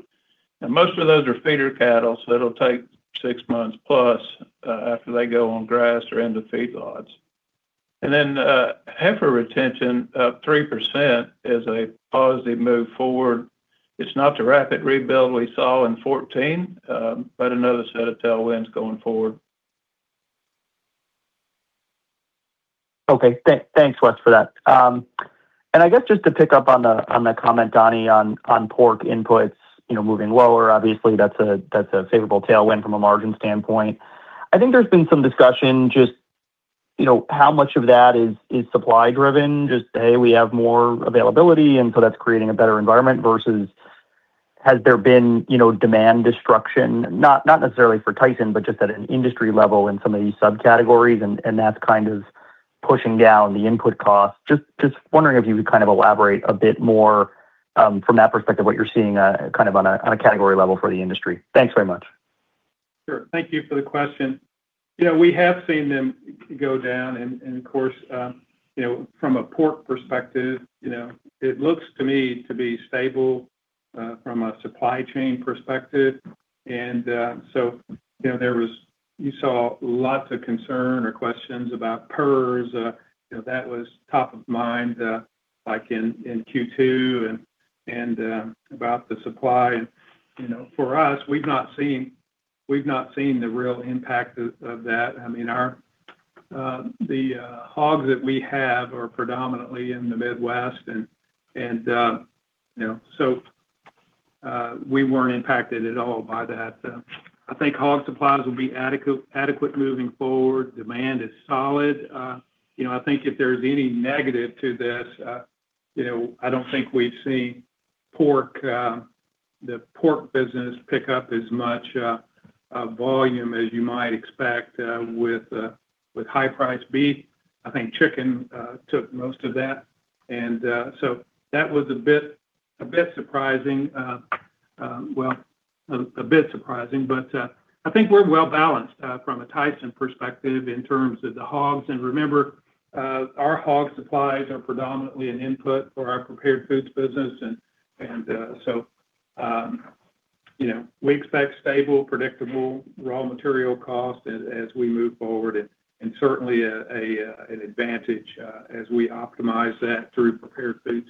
Most of those are feeder cattle, so it'll take six months plus after they go on grass or into feedlots. Heifer retention up 3% is a positive move forward. It's not the rapid rebuild we saw in 2014, but another set of tailwinds going forward. Okay. Thanks, Wes, for that. I guess just to pick up on the comment, Donnie, on pork inputs moving lower, obviously, that's a favorable tailwind from a margin standpoint. I think there's been some discussion just how much of that is supply driven, just, hey, we have more availability and that's creating a better environment versus has there been demand destruction? Not necessarily for Tyson, but just at an industry level in some of these subcategories, and that's pushing down the input costs. Just wondering if you could kind of elaborate a bit more, from that perspective, what you're seeing on a category level for the industry. Thanks very much. Sure. Thank you for the question. We have seen them go down and, of course, from a pork perspective, it looks to me to be stable, from a supply chain perspective. You saw lots of concern or questions about PRRS. That was top of mind, like in Q2 and about the supply. For us, we've not seen the real impact of that. I mean, the hogs that we have are predominantly in the Midwest, we weren't impacted at all by that. I think hog supplies will be adequate moving forward. Demand is solid. I think if there's any negative to this, I don't think we've seen the pork business pick up as much volume as you might expect with high priced beef. I think chicken took most of that. That was a bit surprising, I think we're well balanced from a Tyson perspective in terms of the hogs. Remember, our hog supplies are predominantly an input for our prepared foods business, we expect stable, predictable raw material cost as we move forward and, certainly an advantage as we optimize that through prepared foods.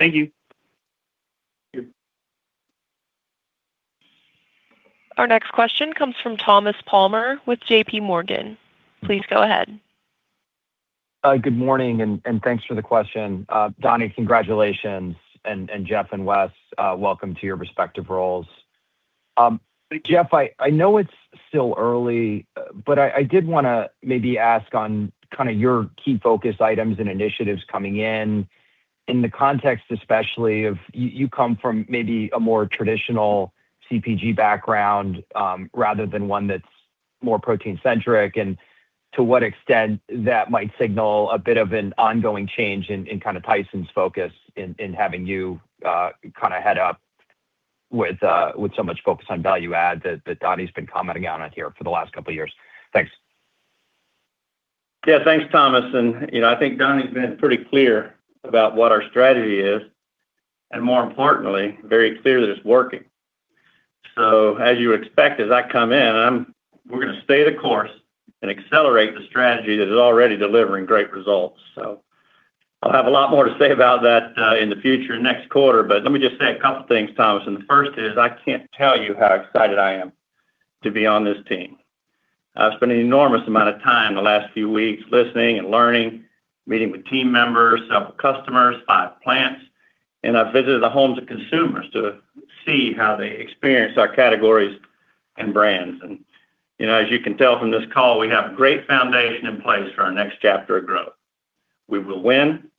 Thank you. Thank you. Our next question comes from Thomas Palmer with JP Morgan. Please go ahead. Good morning, thanks for the question. Donnie, congratulations, Jeff and Wes, welcome to your respective roles. Jeff, I know it's still early, but I did want to maybe ask on kind of your key focus items and initiatives coming in the context especially of you come from maybe a more traditional CPG background, rather than one that's more protein-centric, and to what extent that might signal a bit of an ongoing change in kind of Tyson's focus in having you head up with so much focus on value add that Donnie's been commenting on out here for the last couple of years. Thanks. Thanks, Thomas. I think Donnie's been pretty clear about what our strategy is, and more importantly, very clear that it's working. As you would expect, as I come in, we're going to stay the course and accelerate the strategy that is already delivering great results. I'll have a lot more to say about that in the future, next quarter. Let me just say a couple of things, Thomas, and the first is, I can't tell you how excited I am to be on this team. I've spent an enormous amount of time the last few weeks listening and learning, meeting with team members, several customers, five plants, and I've visited the homes of consumers to see how they experience our categories and brands. As you can tell from this call, we have a great foundation in place for our next chapter of growth. We will win.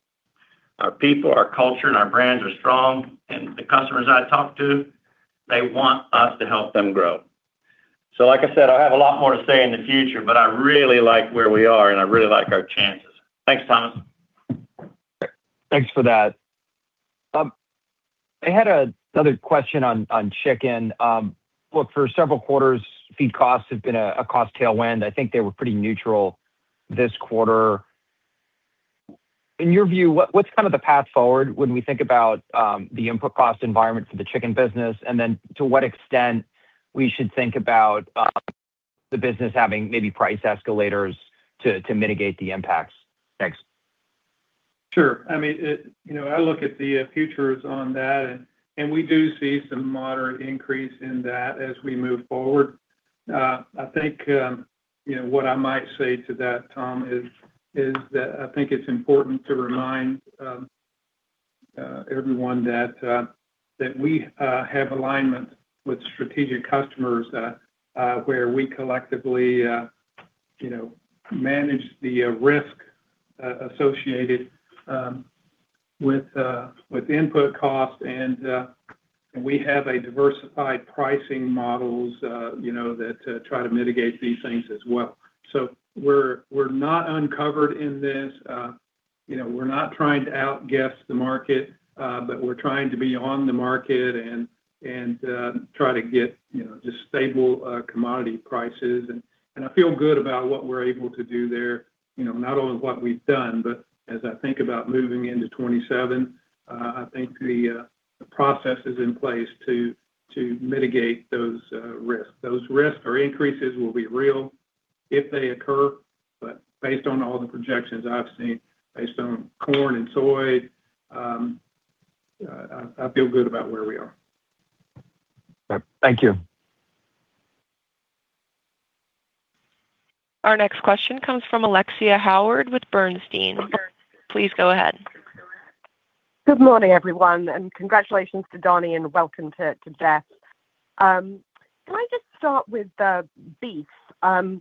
Our people, our culture, and our brands are strong, and the customers I talk to, they want us to help them grow. Like I said, I'll have a lot more to say in the future, but I really like where we are, and I really like our chances. Thanks, Thomas. Thanks for that. I had another question on chicken. Look, for several quarters, feed costs have been a cost tailwind. I think they were pretty neutral this quarter. In your view, what's kind of the path forward when we think about the input cost environment for the chicken business, and then to what extent we should think about the business having maybe price escalators to mitigate the impacts? Thanks. Sure. I look at the futures on that. We do see some moderate increase in that as we move forward. I think what I might say to that, Tom, is that I think it's important to remind everyone that we have alignment with strategic customers, where we collectively manage the risk associated with input costs. We have a diversified pricing models that try to mitigate these things as well. We're not uncovered in this. We're not trying to outguess the market. We're trying to be on the market and try to get just stable commodity prices, and I feel good about what we're able to do there. Not only what we've done. As I think about moving into 2027, I think the process is in place to mitigate those risks. Those risks or increases will be real if they occur. Based on all the projections I've seen, based on corn and soy, I feel good about where we are. Thank you. Our next question comes from Alexia Howard with Bernstein. Please go ahead. Good morning, everyone, and congratulations to Donnie, and welcome too, Jeff. Can I just start with beef? Can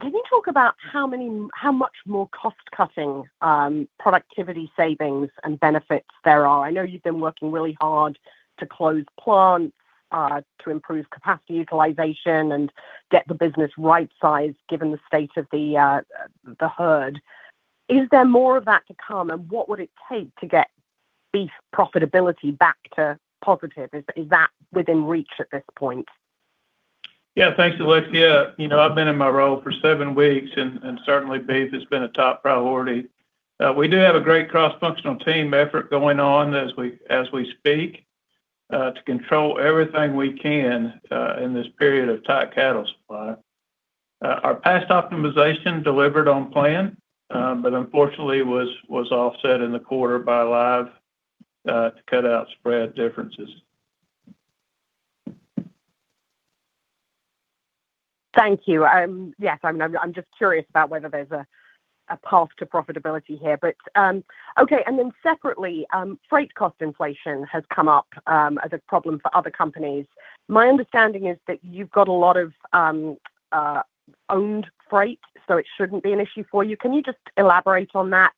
you talk about how much more cost-cutting, productivity savings and benefits there are? I know you've been working really hard to close plants, to improve capacity utilization, and get the business right-sized given the state of the herd. Is there more of that to come? What would it take to get beef profitability back to positive? Is that within reach at this point? Thanks, Alexia. I've been in my role for seven weeks, certainly beef has been a top priority. We do have a great cross-functional team effort going on as we speak to control everything we can in this period of tight cattle supply. Our past optimization delivered on plan, unfortunately was offset in the quarter by live-to-cutout spread differences. Thank you. Yes, I'm just curious about whether there's a path to profitability here. Separately, freight cost inflation has come up as a problem for other companies. My understanding is that you've got a lot of owned freight, so it shouldn't be an issue for you. Can you just elaborate on that?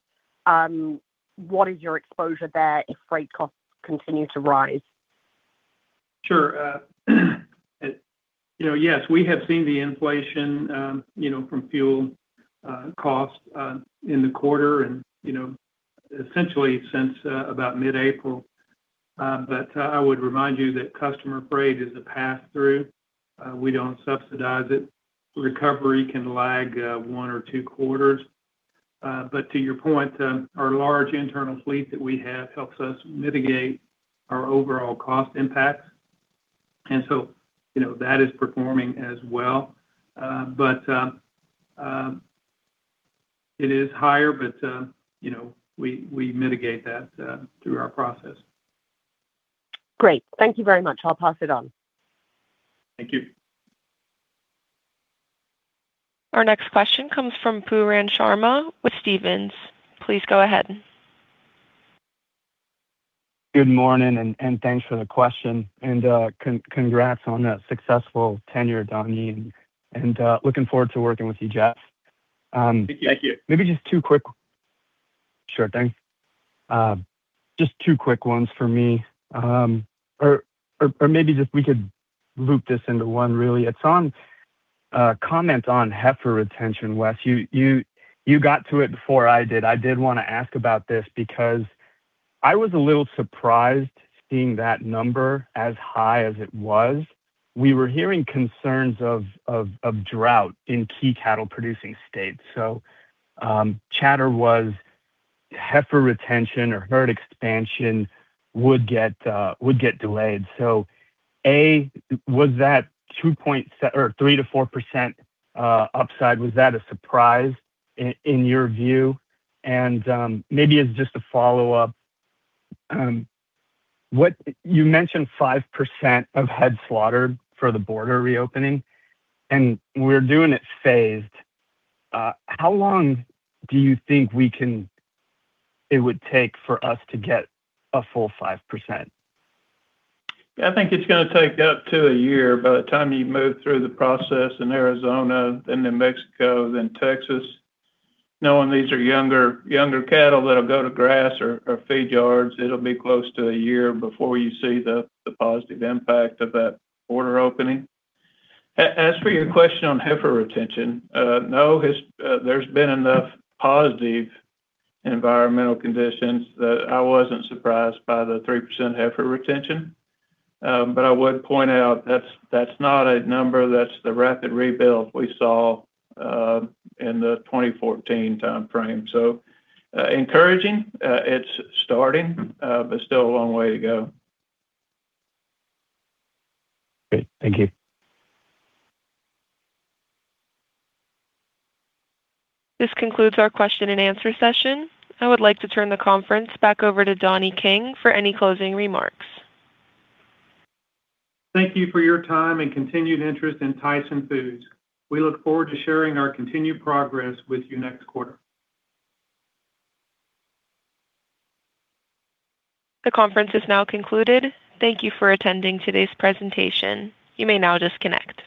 What is your exposure there if freight costs continue to rise? Sure. Yes, we have seen the inflation from fuel costs in the quarter, and essentially since about mid-April. I would remind you that customer freight is a pass-through. We don't subsidize it. Recovery can lag one or two quarters. To your point, our large internal fleet that we have helps us mitigate our overall cost impacts, and so that is performing as well. It is higher, but we mitigate that through our process. Great. Thank you very much. I'll pass it on. Thank you. Our next question comes from Pooran Sharma with Stephens. Please go ahead. Good morning, and thanks for the question. Congrats on a successful tenure, Donnie, and looking forward to working with you, Jeff. Thank you. Sure thing. Just two quick ones for me. Maybe just we could loop this into one, really. It's on comments on heifer retention. Wes, you got to it before I did. I did want to ask about this because I was a little surprised seeing that number as high as it was. We were hearing concerns of drought in key cattle-producing states. Chatter was heifer retention or herd expansion would get delayed. A, was that 3%-4% upside, was that a surprise in your view? Maybe as just a follow-up, you mentioned 5% of head slaughtered for the border reopening, and we're doing it phased. How long do you think it would take for us to get a full 5%? I think it's going to take up to a year by the time you move through the process in Arizona, then New Mexico, then Texas. Knowing these are younger cattle that'll go to grass or feed yards, it'll be close to a year before you see the positive impact of that border opening. As for your question on heifer retention, no, there's been enough positive environmental conditions that I wasn't surprised by the 3% heifer retention. I would point out, that's not a number that's the rapid rebuild we saw in the 2014 timeframe. Encouraging, it's starting, but still a long way to go. Great. Thank you. This concludes our question-and-answer session. I would like to turn the conference back over to Donnie King for any closing remarks. Thank you for your time and continued interest in Tyson Foods. We look forward to sharing our continued progress with you next quarter. The conference is now concluded. Thank you for attending today's presentation. You may now disconnect.